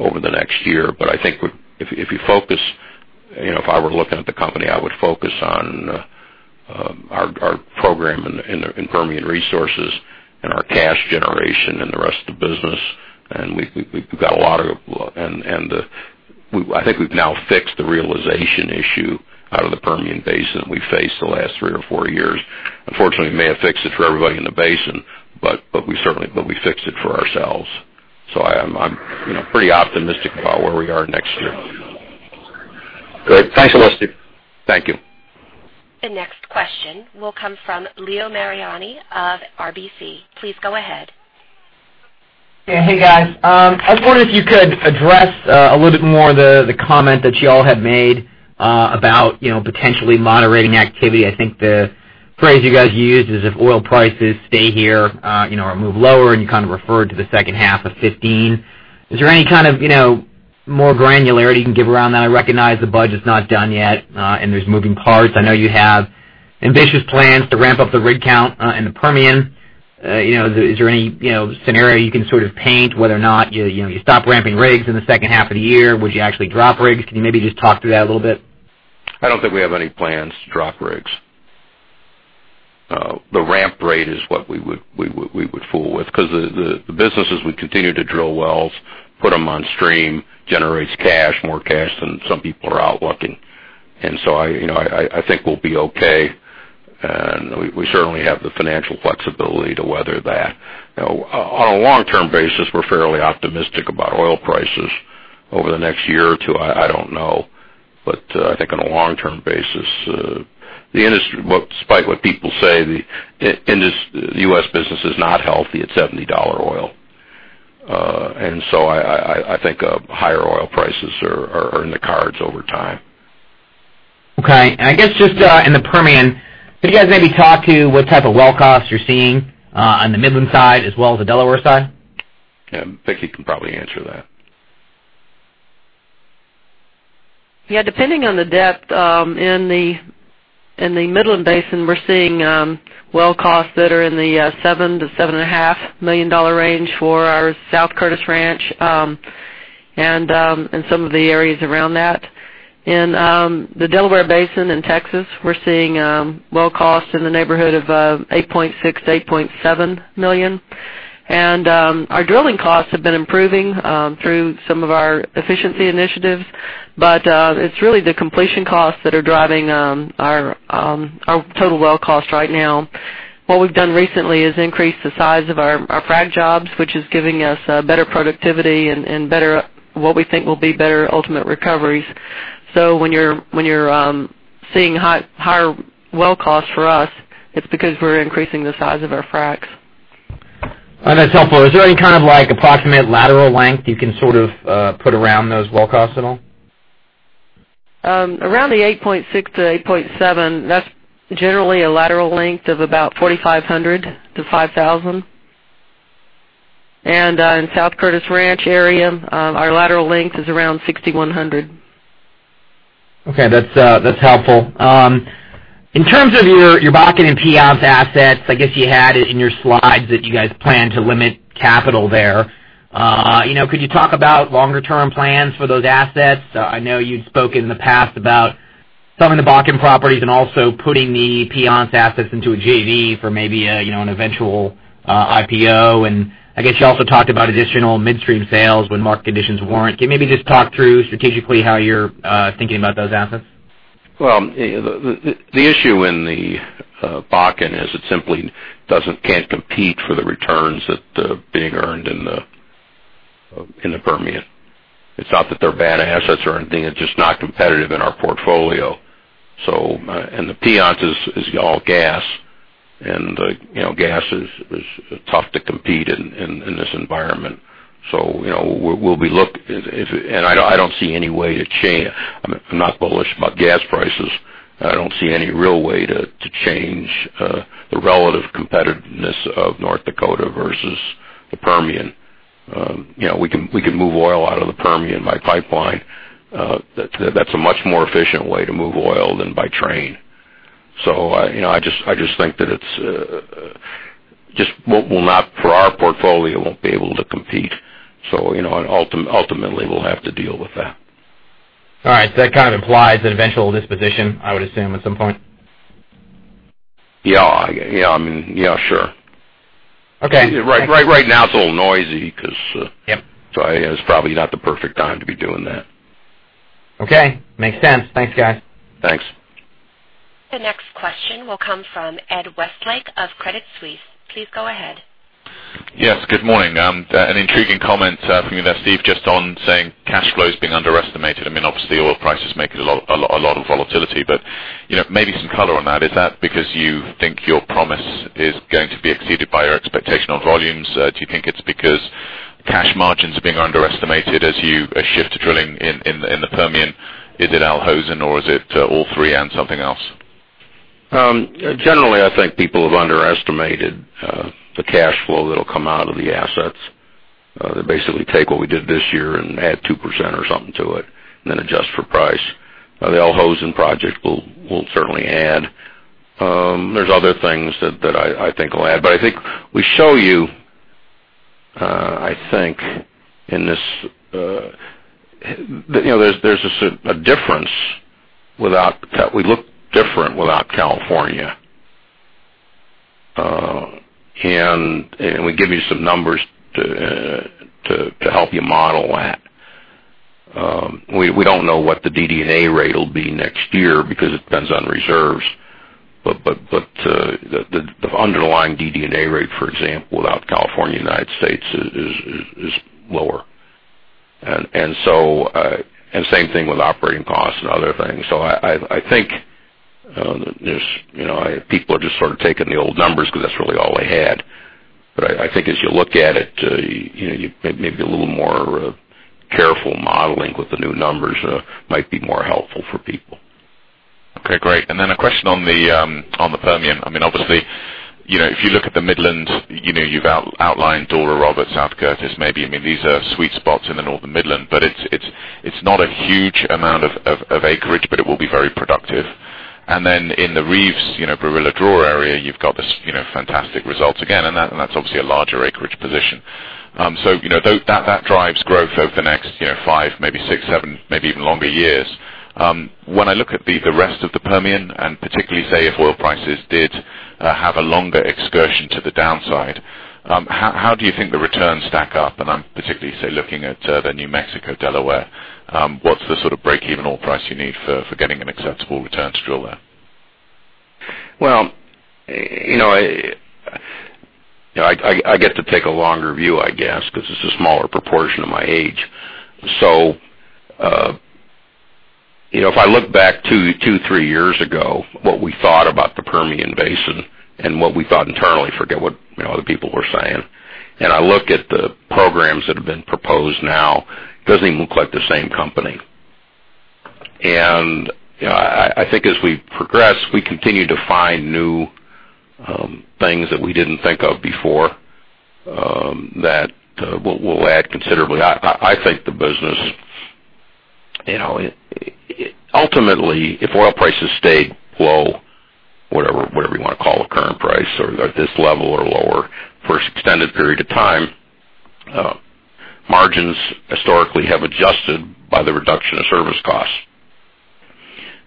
I think if I were looking at the company, I would focus on our program in Permian Resources and our cash generation in the rest of the business, and I think we've now fixed the realization issue out of the Permian Basin that we faced the last three or four years. Unfortunately, we may have fixed it for everybody in the basin, but we fixed it for ourselves. I'm pretty optimistic about where we are next year. Great. Thanks a lot, Steve. Thank you. The next question will come from Leo Mariani of RBC. Please go ahead. Yeah. Hey, guys. I was wondering if you could address a little bit more the comment that you all had made about potentially moderating activity. I think the phrase you guys used is if oil prices stay here or move lower, and you referred to the second half of 2015. Is there any more granularity you can give around that? I recognize the budget's not done yet and there's moving parts. I know you have ambitious plans to ramp up the rig count in the Permian. Is there any scenario you can paint whether or not you stop ramping rigs in the second half of the year? Would you actually drop rigs? Can you maybe just talk through that a little bit? I don't think we have any plans to drop rigs. The ramp rate is what we would fool with because the business is we continue to drill wells, put them on stream, generates cash, more cash than some people are out looking. I think we'll be okay, and we certainly have the financial flexibility to weather that. On a long-term basis, we're fairly optimistic about oil prices. Over the next year or two, I don't know. I think on a long-term basis, despite what people say, the U.S. business is not healthy at $70 oil. I think higher oil prices are in the cards over time. Okay. I guess just in the Permian, could you guys maybe talk to what type of well costs you're seeing on the Midland side as well as the Delaware side? Yeah, Vicki can probably answer that. Yeah, depending on the depth, in the Midland Basin, we're seeing well costs that are in the $7 million to $7.5 million range for our South Curtis Ranch and some of the areas around that. In the Delaware Basin in Texas, we're seeing well costs in the neighborhood of $8.6 million to $8.7 million. Our drilling costs have been improving through some of our efficiency initiatives, but it's really the completion costs that are driving our total well cost right now. What we've done recently is increase the size of our frack jobs, which is giving us better productivity and what we think will be better ultimate recoveries. When you're seeing higher well costs for us, it's because we're increasing the size of our fracks. That's helpful. Is there any kind of approximate lateral length you can put around those well costs at all? Around the 8.6 to 8.7, that's generally a lateral length of about 4,500 to 5,000. In South Curtis Ranch area, our lateral length is around 6,100. Okay. That's helpful. In terms of your Bakken and Piceance assets, I guess you had it in your slides that you guys plan to limit capital there. Could you talk about longer term plans for those assets? I know you'd spoken in the past about selling the Bakken properties and also putting the Piceance assets into a JV for maybe an eventual IPO. I guess you also talked about additional midstream sales when market conditions warrant. Can you maybe just talk through strategically how you're thinking about those assets? Well, the issue in the Bakken is it simply can't compete for the returns that are being earned in the Permian. It's not that they're bad assets or anything, it's just not competitive in our portfolio. The Piceance is all gas, and gas is tough to compete in this environment. We'll be. I don't see any way to change. I'm not bullish about gas prices. I don't see any real way to change the relative competitiveness of North Dakota versus the Permian. We can move oil out of the Permian by pipeline. That's a much more efficient way to move oil than by train. I just think that it's, just will not, for our portfolio, won't be able to compete. Ultimately, we'll have to deal with that. All right. That kind of implies an eventual disposition, I would assume, at some point. Yeah. Sure. Okay. Right now it's a little noisy because Yep It's probably not the perfect time to be doing that. Okay. Makes sense. Thanks, guys. Thanks. The next question will come from Ed Westlake of Credit Suisse. Please go ahead. Yes, good morning. An intriguing comment from you there, Steve, just on saying cash flow is being underestimated. Obviously, oil prices make it a lot of volatility, but maybe some color on that. Is that because you think your promise is going to be exceeded by your expectation on volumes? Do you think it's because cash margins are being underestimated as you shift to drilling in the Permian? Is it Al Hosn or is it all three and something else? Generally, I think people have underestimated the cash flow that'll come out of the assets. They basically take what we did this year and add 2% or something to it, then adjust for price. The Al Hosn project will certainly add. There's other things that I think will add, but I think we show you, I think, in this. We look different without California. We give you some numbers to help you model that. We don't know what the DD&A rate will be next year because it depends on reserves. The underlying DD&A rate, for example, without California, U.S., is lower. Same thing with operating costs and other things. I think people are just sort of taking the old numbers because that's really all they had. I think as you look at it, maybe a little more careful modeling with the new numbers might be more helpful for people. Okay, great. A question on the Permian. Obviously, if you look at the Midland, you've outlined Dora Roberts, South Curtis maybe. These are sweet spots in the northern Midland, but it's not a huge amount of acreage, but it will be very productive. In the Reeves Barilla Draw area, you've got this fantastic result again, and that's obviously a larger acreage position. That drives growth over the next five, maybe six, seven, maybe even longer years. When I look at the rest of the Permian, and particularly, say, if oil prices did have a longer excursion to the downside, how do you think the returns stack up? I'm particularly, say, looking at the New Mexico, Delaware. What's the sort of break-even oil price you need for getting an acceptable return to drill there? Well, I get to take a longer view, I guess because it's a smaller proportion of my age. If I look back two, three years ago, what we thought about the Permian Basin and what we thought internally, forget what other people were saying, I look at the programs that have been proposed now, it doesn't even look like the same company. I think as we progress, we continue to find new things that we didn't think of before, that will add considerably. I think the business, ultimately, if oil prices stay low, whatever you want to call the current price or at this level or lower for an extended period of time, margins historically have adjusted by the reduction of service costs.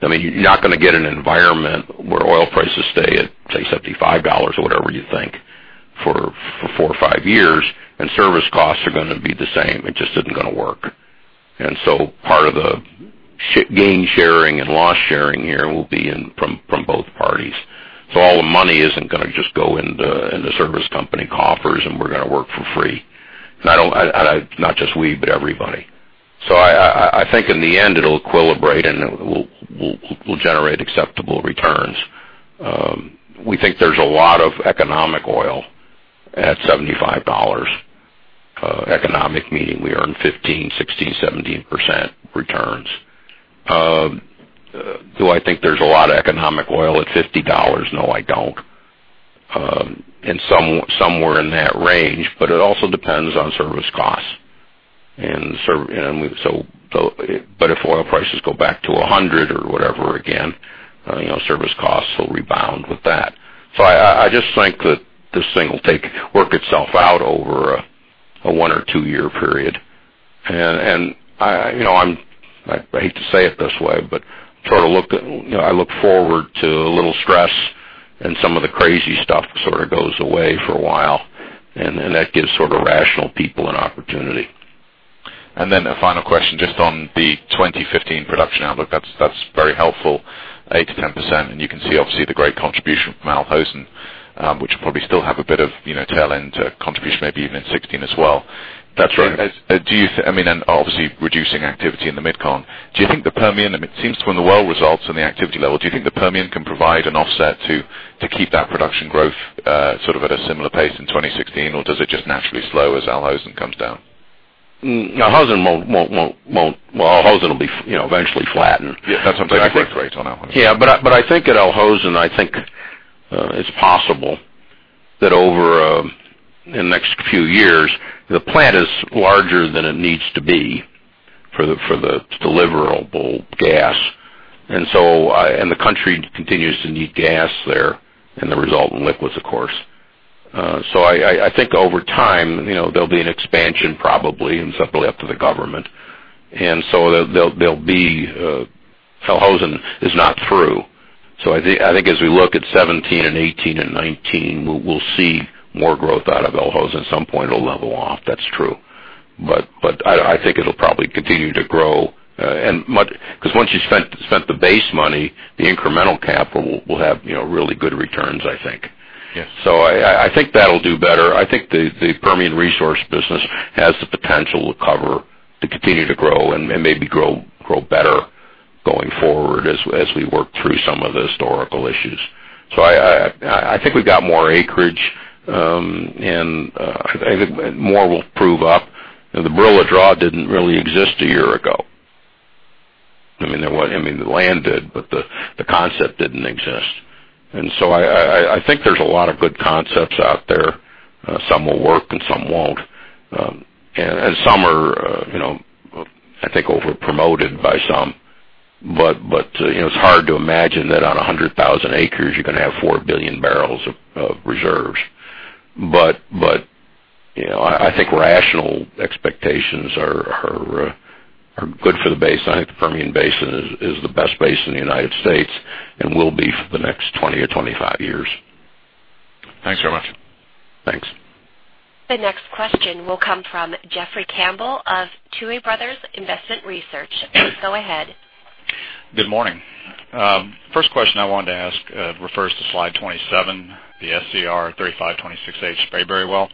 You're not going to get an environment where oil prices stay at, say, $75 or whatever you think for four or five years and service costs are going to be the same. It just isn't going to work. Part of the gain sharing and loss sharing here will be in from both parties. All the money isn't going to just go in the service company coffers and we're going to work for free. Not just we, but everybody. I think in the end it'll equilibrate and we'll generate acceptable returns. We think there's a lot of economic oil at $75. Economic meaning we earn 15, 16, 17% returns. Do I think there's a lot of economic oil at $50? No, I don't. Somewhere in that range, but it also depends on service costs. If oil prices go back to 100 or whatever again, service costs will rebound with that. I just think that this thing will work itself out over a one or two year period. I hate to say it this way, but I look forward to a little stress and some of the crazy stuff goes away for a while, and that gives rational people an opportunity. A final question just on the 2015 production outlook. That's very helpful. 8%-10%, and you can see, obviously, the great contribution from Al Hosn, which will probably still have a bit of tail end contribution maybe even in 2016 as well. That's right. Obviously, reducing activity in the MidCon. It seems from the well results and the activity level, do you think the Permian can provide an offset to keep that production growth at a similar pace in 2016? Or does it just naturally slow as Al Hosn comes down? Al Hosn will eventually flatten. That's something I think is great on Al Hosn. Yeah. I think at Al Hosn, I think it's possible that over the next few years, the plant is larger than it needs to be for the deliverable gas. The country continues to need gas there and the result in liquids, of course. I think over time, there'll be an expansion probably, and it's definitely up to the government. Al Hosn is not through. I think as we look at 2017 and 2018 and 2019, we'll see more growth out of Al Hosn. At some point, it'll level off, that's true. I think it'll probably continue to grow, because once you've spent the base money, the incremental capital will have really good returns, I think. Yes. I think that'll do better. I think the Permian Resources business has the potential to cover, to continue to grow and maybe grow better going forward as we work through some of the historical issues. I think we've got more acreage, and I think more will prove up. The Barilla Draw didn't really exist a year ago. The land did, but the concept didn't exist. I think there's a lot of good concepts out there. Some will work and some won't. Some are I think over-promoted by some. It's hard to imagine that on 100,000 acres, you're going to have 4 billion barrels of reserves. I think rational expectations are good for the basin. I think the Permian Basin is the best basin in the U.S. and will be for the next 20 to 25 years. Thanks very much. Thanks. The next question will come from Jeffrey Campbell of Tuohy Brothers Investment Research. Please go ahead. Good morning. First question I wanted to ask refers to slide 27, the SCR3526H Spraberry well.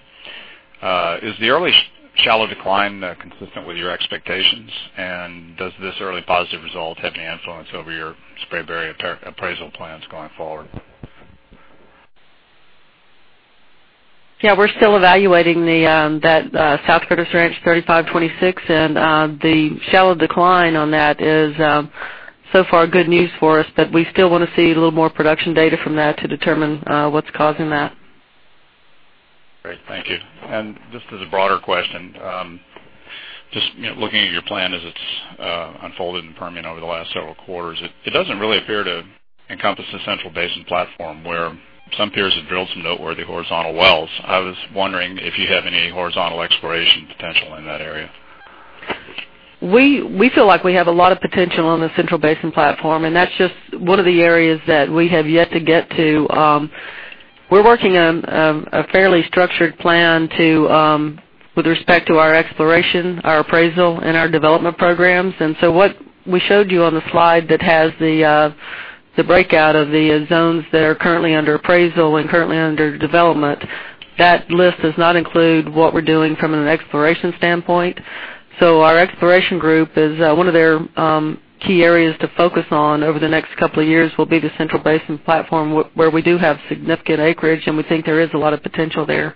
Is the early shallow decline consistent with your expectations, and does this early positive result have any influence over your Spraberry appraisal plans going forward? Yeah, we're still evaluating that South Curtis Ranch 3526, and the shallow decline on that is so far good news for us. We still want to see a little more production data from that to determine what's causing that. Great. Thank you. Just as a broader question, just looking at your plan as it's unfolded in Permian over the last several quarters, it doesn't really appear to encompass the Central Basin Platform, where some peers have drilled some noteworthy horizontal wells. I was wondering if you have any horizontal exploration potential in that area. We feel like we have a lot of potential on the Central Basin Platform, and that's just one of the areas that we have yet to get to. We're working on a fairly structured plan with respect to our exploration, our appraisal, and our development programs. What we showed you on the slide that has the breakout of the zones that are currently under appraisal and currently under development, that list does not include what we're doing from an exploration standpoint. Our exploration group, one of their key areas to focus on over the next couple of years will be the Central Basin Platform, where we do have significant acreage, and we think there is a lot of potential there.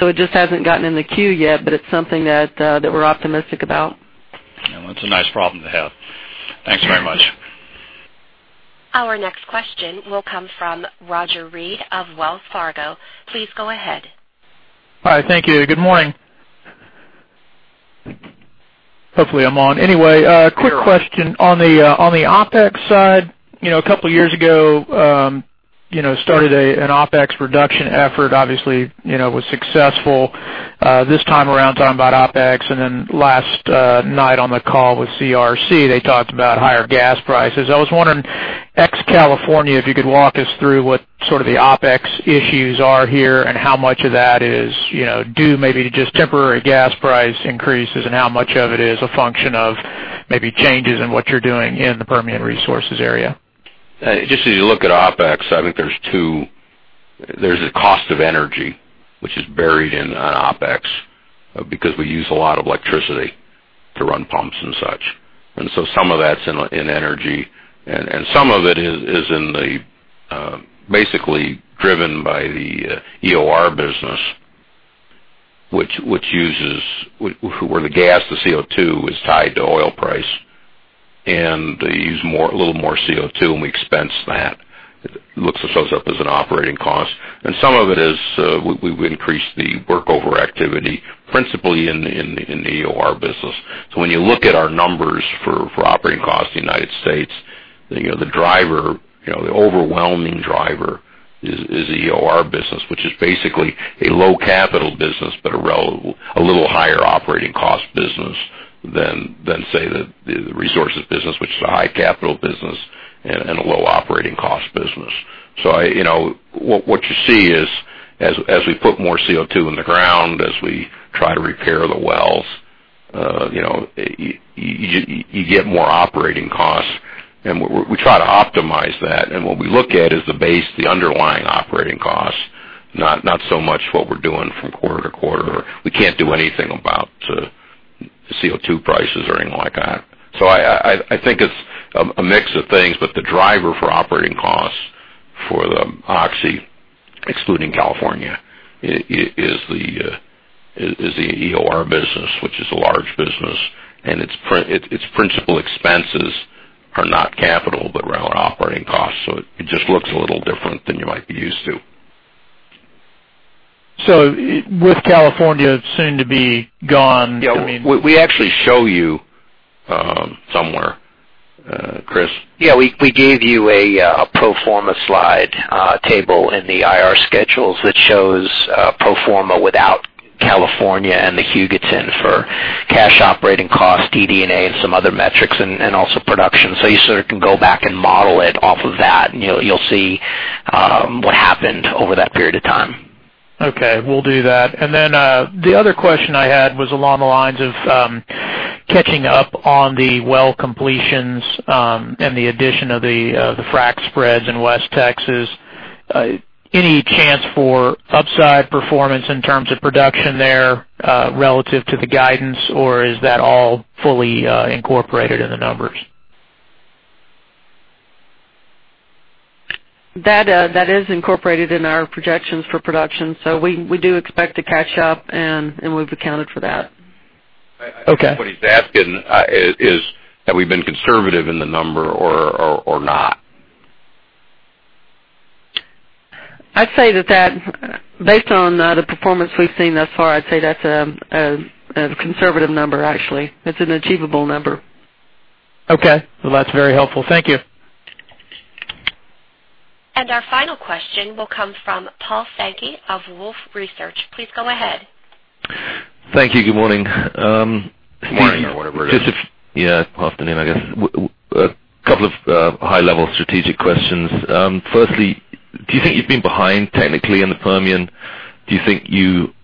It just hasn't gotten in the queue yet, but it's something that we're optimistic about. That's a nice problem to have. Thanks very much. Our next question will come from Roger Read of Wells Fargo. Please go ahead. Hi. Thank you. Good morning. Hopefully I'm on. A quick question. On the OpEx side, a couple of years ago, started an OpEx reduction effort, obviously, it was successful. This time around, talking about OpEx, last night on the call with CRC, they talked about higher gas prices. I was wondering, ex California, if you could walk us through what the OpEx issues are here and how much of that is due maybe to just temporary gas price increases, and how much of it is a function of maybe changes in what you're doing in the Permian Resources area? Just as you look at OpEx, I think there's a cost of energy which is buried in OpEx because we use a lot of electricity to run pumps and such. Some of that's in energy, and some of it is basically driven by the EOR business, where the gas to CO2 is tied to oil price, and they use a little more CO2, and we expense that. It shows up as an operating cost. Some of it is we've increased the workover activity, principally in the EOR business. When you look at our numbers for operating costs in the U.S. The overwhelming driver is the EOR business, which is basically a low capital business, but a little higher operating cost business than, say, the resources business, which is a high capital business and a low operating cost business. What you see is, as we put more CO2 in the ground, as we try to repair the wells, you get more operating costs. We try to optimize that. What we look at is the base, the underlying operating costs, not so much what we're doing from quarter to quarter. We can't do anything about the CO2 prices or anything like that. I think it's a mix of things, but the driver for operating costs for Oxy, excluding California, is the EOR business, which is a large business, and its principal expenses are not capital, but rather operating costs. It just looks a little different than you might be used to. With California soon to be gone. Yeah. We actually show you somewhere. Chris? Yeah. We gave you a pro forma slide table in the IR schedules that shows pro forma without California and the Hugoton for cash operating costs, DD&A, and some other metrics and also production. You sort of can go back and model it off of that, and you'll see what happened over that period of time. Okay. We'll do that. Then, the other question I had was along the lines of catching up on the well completions, and the addition of the frac spreads in West Texas. Any chance for upside performance in terms of production there, relative to the guidance, or is that all fully incorporated in the numbers? That is incorporated in our projections for production. We do expect to catch up, and we've accounted for that. Okay. I think what he's asking is, have we been conservative in the number or not? Based on the performance we've seen thus far, I'd say that's a conservative number, actually. It's an achievable number. Okay. Well, that's very helpful. Thank you. Our final question will come from Paul Sankey of Wolfe Research. Please go ahead. Thank you. Good morning. Morning or whatever it is. Yeah. Afternoon, I guess. A couple of high-level strategic questions. Firstly, do you think you've been behind technically in the Permian? Do you think you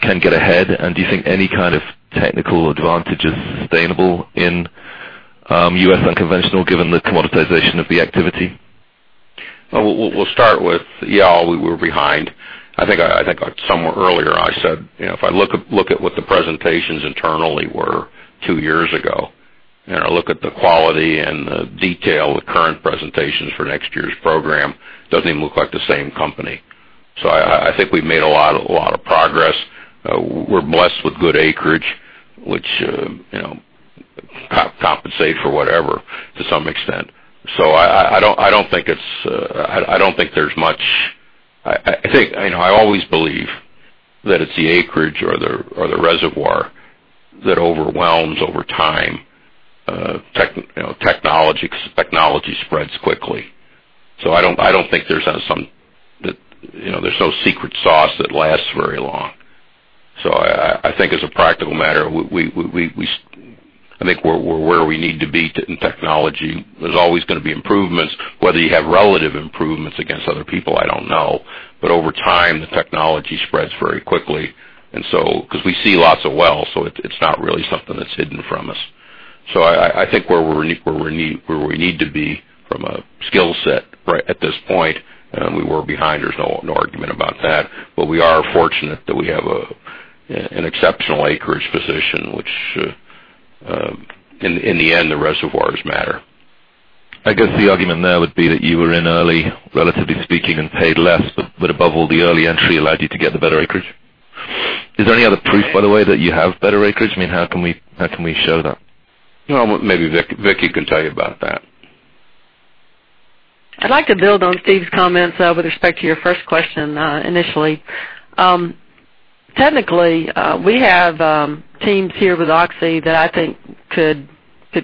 can get ahead, and do you think any kind of technical advantage is sustainable in U.S. unconventional given the commoditization of the activity? We'll start with, yeah, we were behind. I think somewhere earlier I said, if I look at what the presentations internally were two years ago, and I look at the quality and the detail of the current presentations for next year's program, doesn't even look like the same company. I think we've made a lot of progress. We're blessed with good acreage, which compensate for whatever, to some extent. I always believe that it's the acreage or the reservoir that overwhelms over time technology, because technology spreads quickly. I don't think there's some secret sauce that lasts very long. I think as a practical matter, I think we're where we need to be in technology. There's always going to be improvements. Whether you have relative improvements against other people, I don't know. Over time, the technology spreads very quickly, because we see lots of wells, so it's not really something that's hidden from us. I think we're where we need to be from a skill set at this point. We were behind, there's no argument about that. We are fortunate that we have an exceptional acreage position, which, in the end, the reservoirs matter. I guess the argument there would be that you were in early, relatively speaking, and paid less, but above all, the early entry allowed you to get the better acreage. Is there any other proof, by the way, that you have better acreage? I mean, how can we show that? Well, maybe Vicki can tell you about that. I'd like to build on Steve's comments with respect to your first question initially. Technically, we have teams here with Oxy that I think could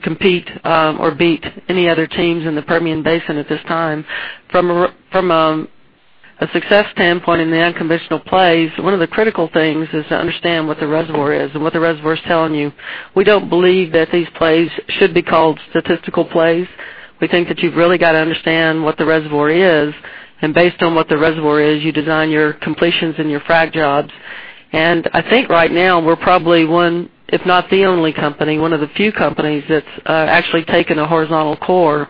compete or beat any other teams in the Permian Basin at this time. From a success standpoint in the unconventional plays, one of the critical things is to understand what the reservoir is and what the reservoir's telling you. We don't believe that these plays should be called statistical plays. We think that you've really got to understand what the reservoir is, and based on what the reservoir is, you design your completions and your frack jobs. I think right now, we're probably one, if not the only company, one of the few companies that's actually taken a horizontal core.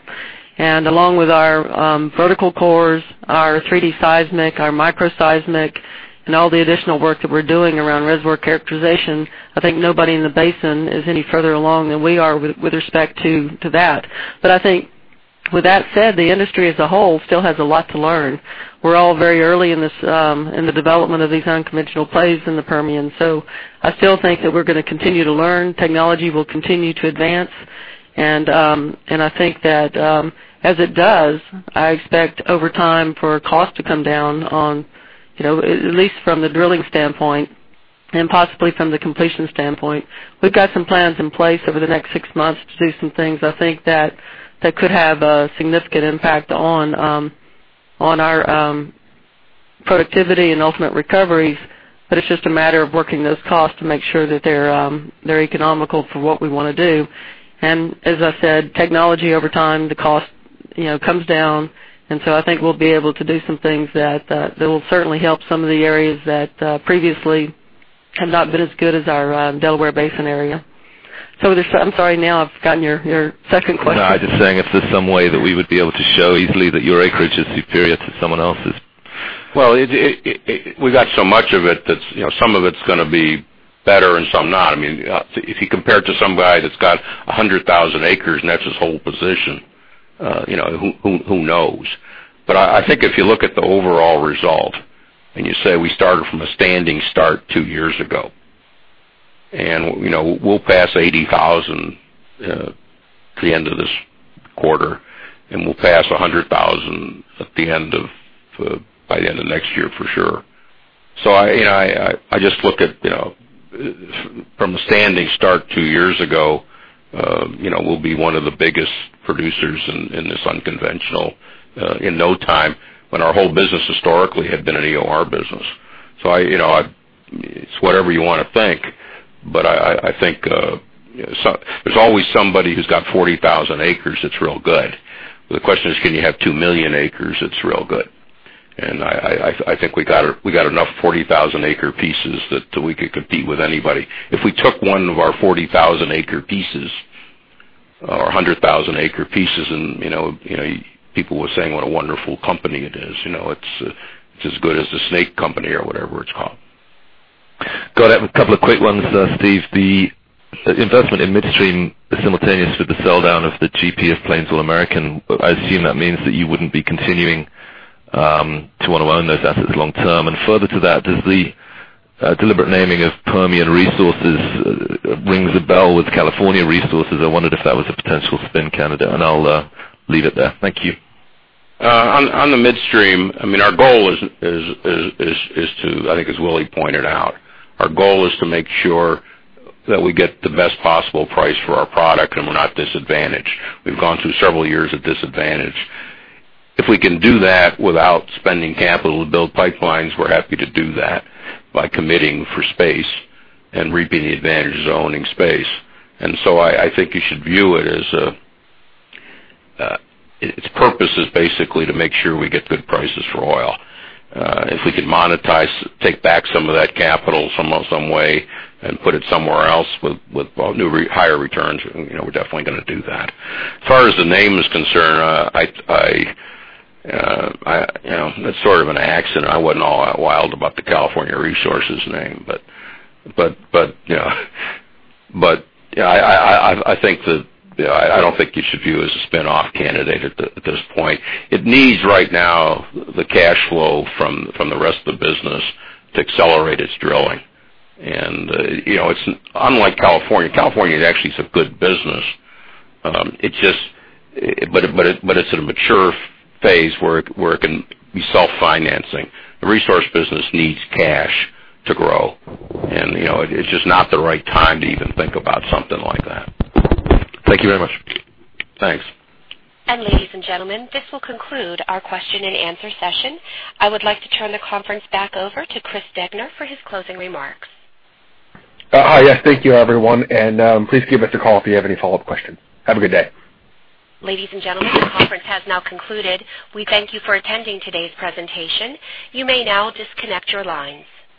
Along with our vertical cores, our 3D seismic, our microseismic, and all the additional work that we're doing around reservoir characterization, I think nobody in the basin is any further along than we are with respect to that. I think with that said, the industry as a whole still has a lot to learn. We're all very early in the development of these unconventional plays in the Permian. I still think that we're going to continue to learn. Technology will continue to advance. I think that, as it does, I expect over time for cost to come down on, at least from the drilling standpoint And possibly from the completion standpoint. We've got some plans in place over the next six months to do some things, I think, that could have a significant impact on our productivity and ultimate recoveries, but it's just a matter of working those costs to make sure that they're economical for what we want to do. As I said, technology over time, the cost comes down, and so I think we'll be able to do some things that will certainly help some of the areas that previously have not been as good as our Delaware Basin area. I'm sorry, now I've forgotten your second question. No, I'm just saying if there's some way that we would be able to show easily that your acreage is superior to someone else's. Well, we've got so much of it that some of it's going to be better and some not. If you compare it to some guy that's got 100,000 acres and that's his whole position, who knows? I think if you look at the overall result and you say we started from a standing start two years ago, and we'll pass 80,000 at the end of this quarter, and we'll pass 100,000 by the end of next year, for sure. I just look at, from a standing start two years ago, we'll be one of the biggest producers in this unconventional in no time, when our whole business historically had been an EOR business. It's whatever you want to think, but I think there's always somebody who's got 40,000 acres that's real good. The question is, can you have 2 million acres that's real good? I think we got enough 40,000-acre pieces that we could compete with anybody. If we took one of our 40,000-acre pieces or 100,000-acre pieces, and people were saying what a wonderful company it is, it's as good as the Snake company or whatever it's called. Got a couple of quick ones, Steve. The investment in midstream is simultaneous with the sell down of the GP of Plains All American. I assume that means that you wouldn't be continuing to want to own those assets long term. Further to that, does the deliberate naming of Permian Resources rings a bell with California Resources? I wondered if that was a potential spin candidate, and I'll leave it there. Thank you. On the midstream, our goal is to, I think as Willie pointed out, our goal is to make sure that we get the best possible price for our product and we're not disadvantaged. We've gone through several years of disadvantage. If we can do that without spending capital to build pipelines, we're happy to do that by committing for space and reaping the advantages of owning space. I think you should view it as its purpose is basically to make sure we get good prices for oil. If we could monetize, take back some of that capital some way and put it somewhere else with higher returns, we're definitely going to do that. As far as the name is concerned, it's sort of an accident. I wasn't all that wild about the California Resources name, but I don't think you should view it as a spinoff candidate at this point. It needs right now the cash flow from the rest of the business to accelerate its drilling. It's unlike California. California is actually some good business. It's at a mature phase where it can be self-financing. The resource business needs cash to grow, and it's just not the right time to even think about something like that. Thank you very much. Thanks. Ladies and gentlemen, this will conclude our question and answer session. I would like to turn the conference back over to Chris Degner for his closing remarks. Yes, thank you everyone. Please give us a call if you have any follow-up questions. Have a good day. Ladies and gentlemen, the conference has now concluded. We thank you for attending today's presentation. You may now disconnect your lines.